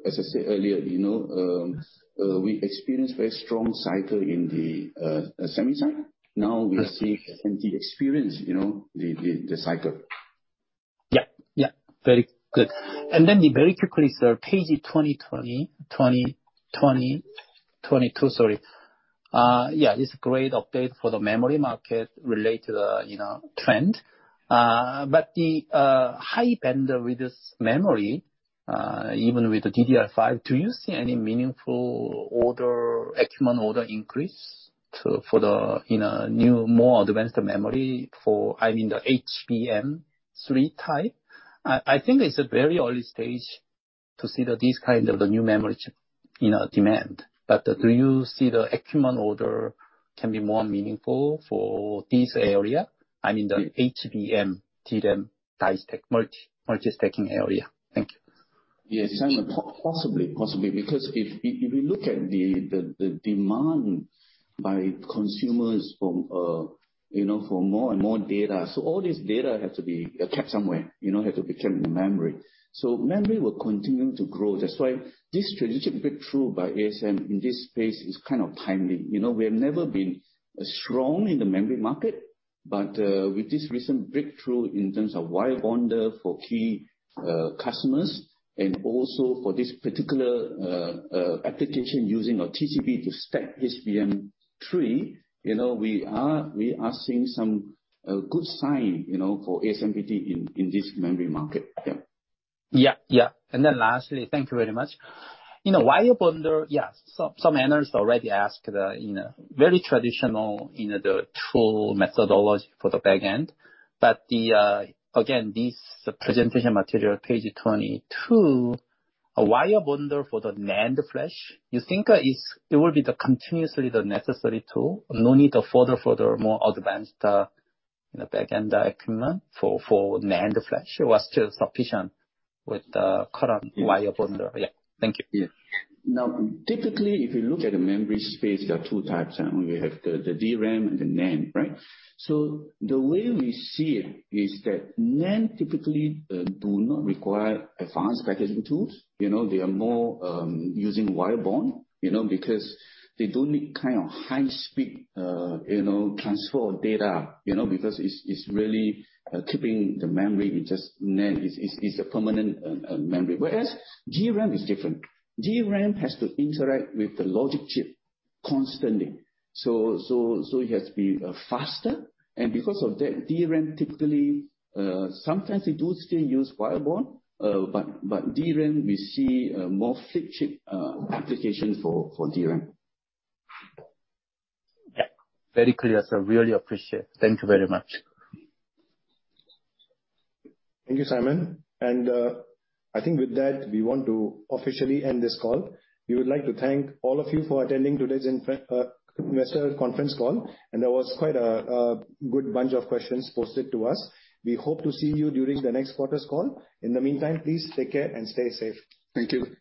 as I said earlier, you know, we experienced very strong cycle in the semi cycle. Mm-hmm. Now we see SMT experience, you know, the cycle. Very good. Then very quickly, sir, page 22, sorry. Yeah, it's a great update for the memory market-related, you know, trend. But the high-bandwidth memory, even with the DDR5, do you see any meaningful order, equipment order increase to, for the, you know, new, more advanced memory for, I mean the HBM3 type? I think it's a very early stage to see that these kind of the new memory, you know, demand. But do you see the equipment order can be more meaningful for this area? I mean the HBM, 3D die tech, multi-stacking area. Thank you. Yes, Simon. Possibly. Because if we look at the demand from consumers for more and more data, so all this data has to be kept somewhere. You know, it has to be kept in memory. So memory will continue to grow. That's why this strategic breakthrough by ASMPT in this space is kind of timely. You know, we have never been as strong in the memory market, but with this recent breakthrough in terms of wire bonders for key customers and also for this particular application using our TCB to stack HBM3, you know, we are seeing some good sign, you know, for ASMPT in this memory market. Yeah. Yeah. Yeah. Lastly, thank you very much. You know, wire bonder, yes, some analysts already asked, you know, very traditional, you know, the tool methodology for the back end. Again, this presentation material, page 22, a wire bonder for the NAND flash, you think that is. It will continue to be the necessary tool? No need a further more advanced, you know, back end equipment for NAND flash? It is still sufficient with the current wire bonder. Yeah. Thank you. Yeah. Now, typically, if you look at the memory space, there are two types. We have the DRAM and the NAND, right? The way we see it is that NAND typically do not require advanced packaging tools. You know, they are more using wire bond, you know, because they don't need kind of high speed, you know, transfer of data, you know, because it's really keeping the memory. It's just NAND. It's a permanent memory. Whereas DRAM is different. DRAM has to interact with the logic chip constantly. It has to be faster. Because of that, DRAM typically sometimes they do still use wire bond, but DRAM we see more flip chip application for DRAM. Yeah. Very clear, sir. I really appreciate. Thank you very much. Thank you, Simon. I think with that, we want to officially end this call. We would like to thank all of you for attending today's investor conference call. That was quite a good bunch of questions posted to us. We hope to see you during the next quarter's call. In the meantime, please take care and stay safe. Thank you.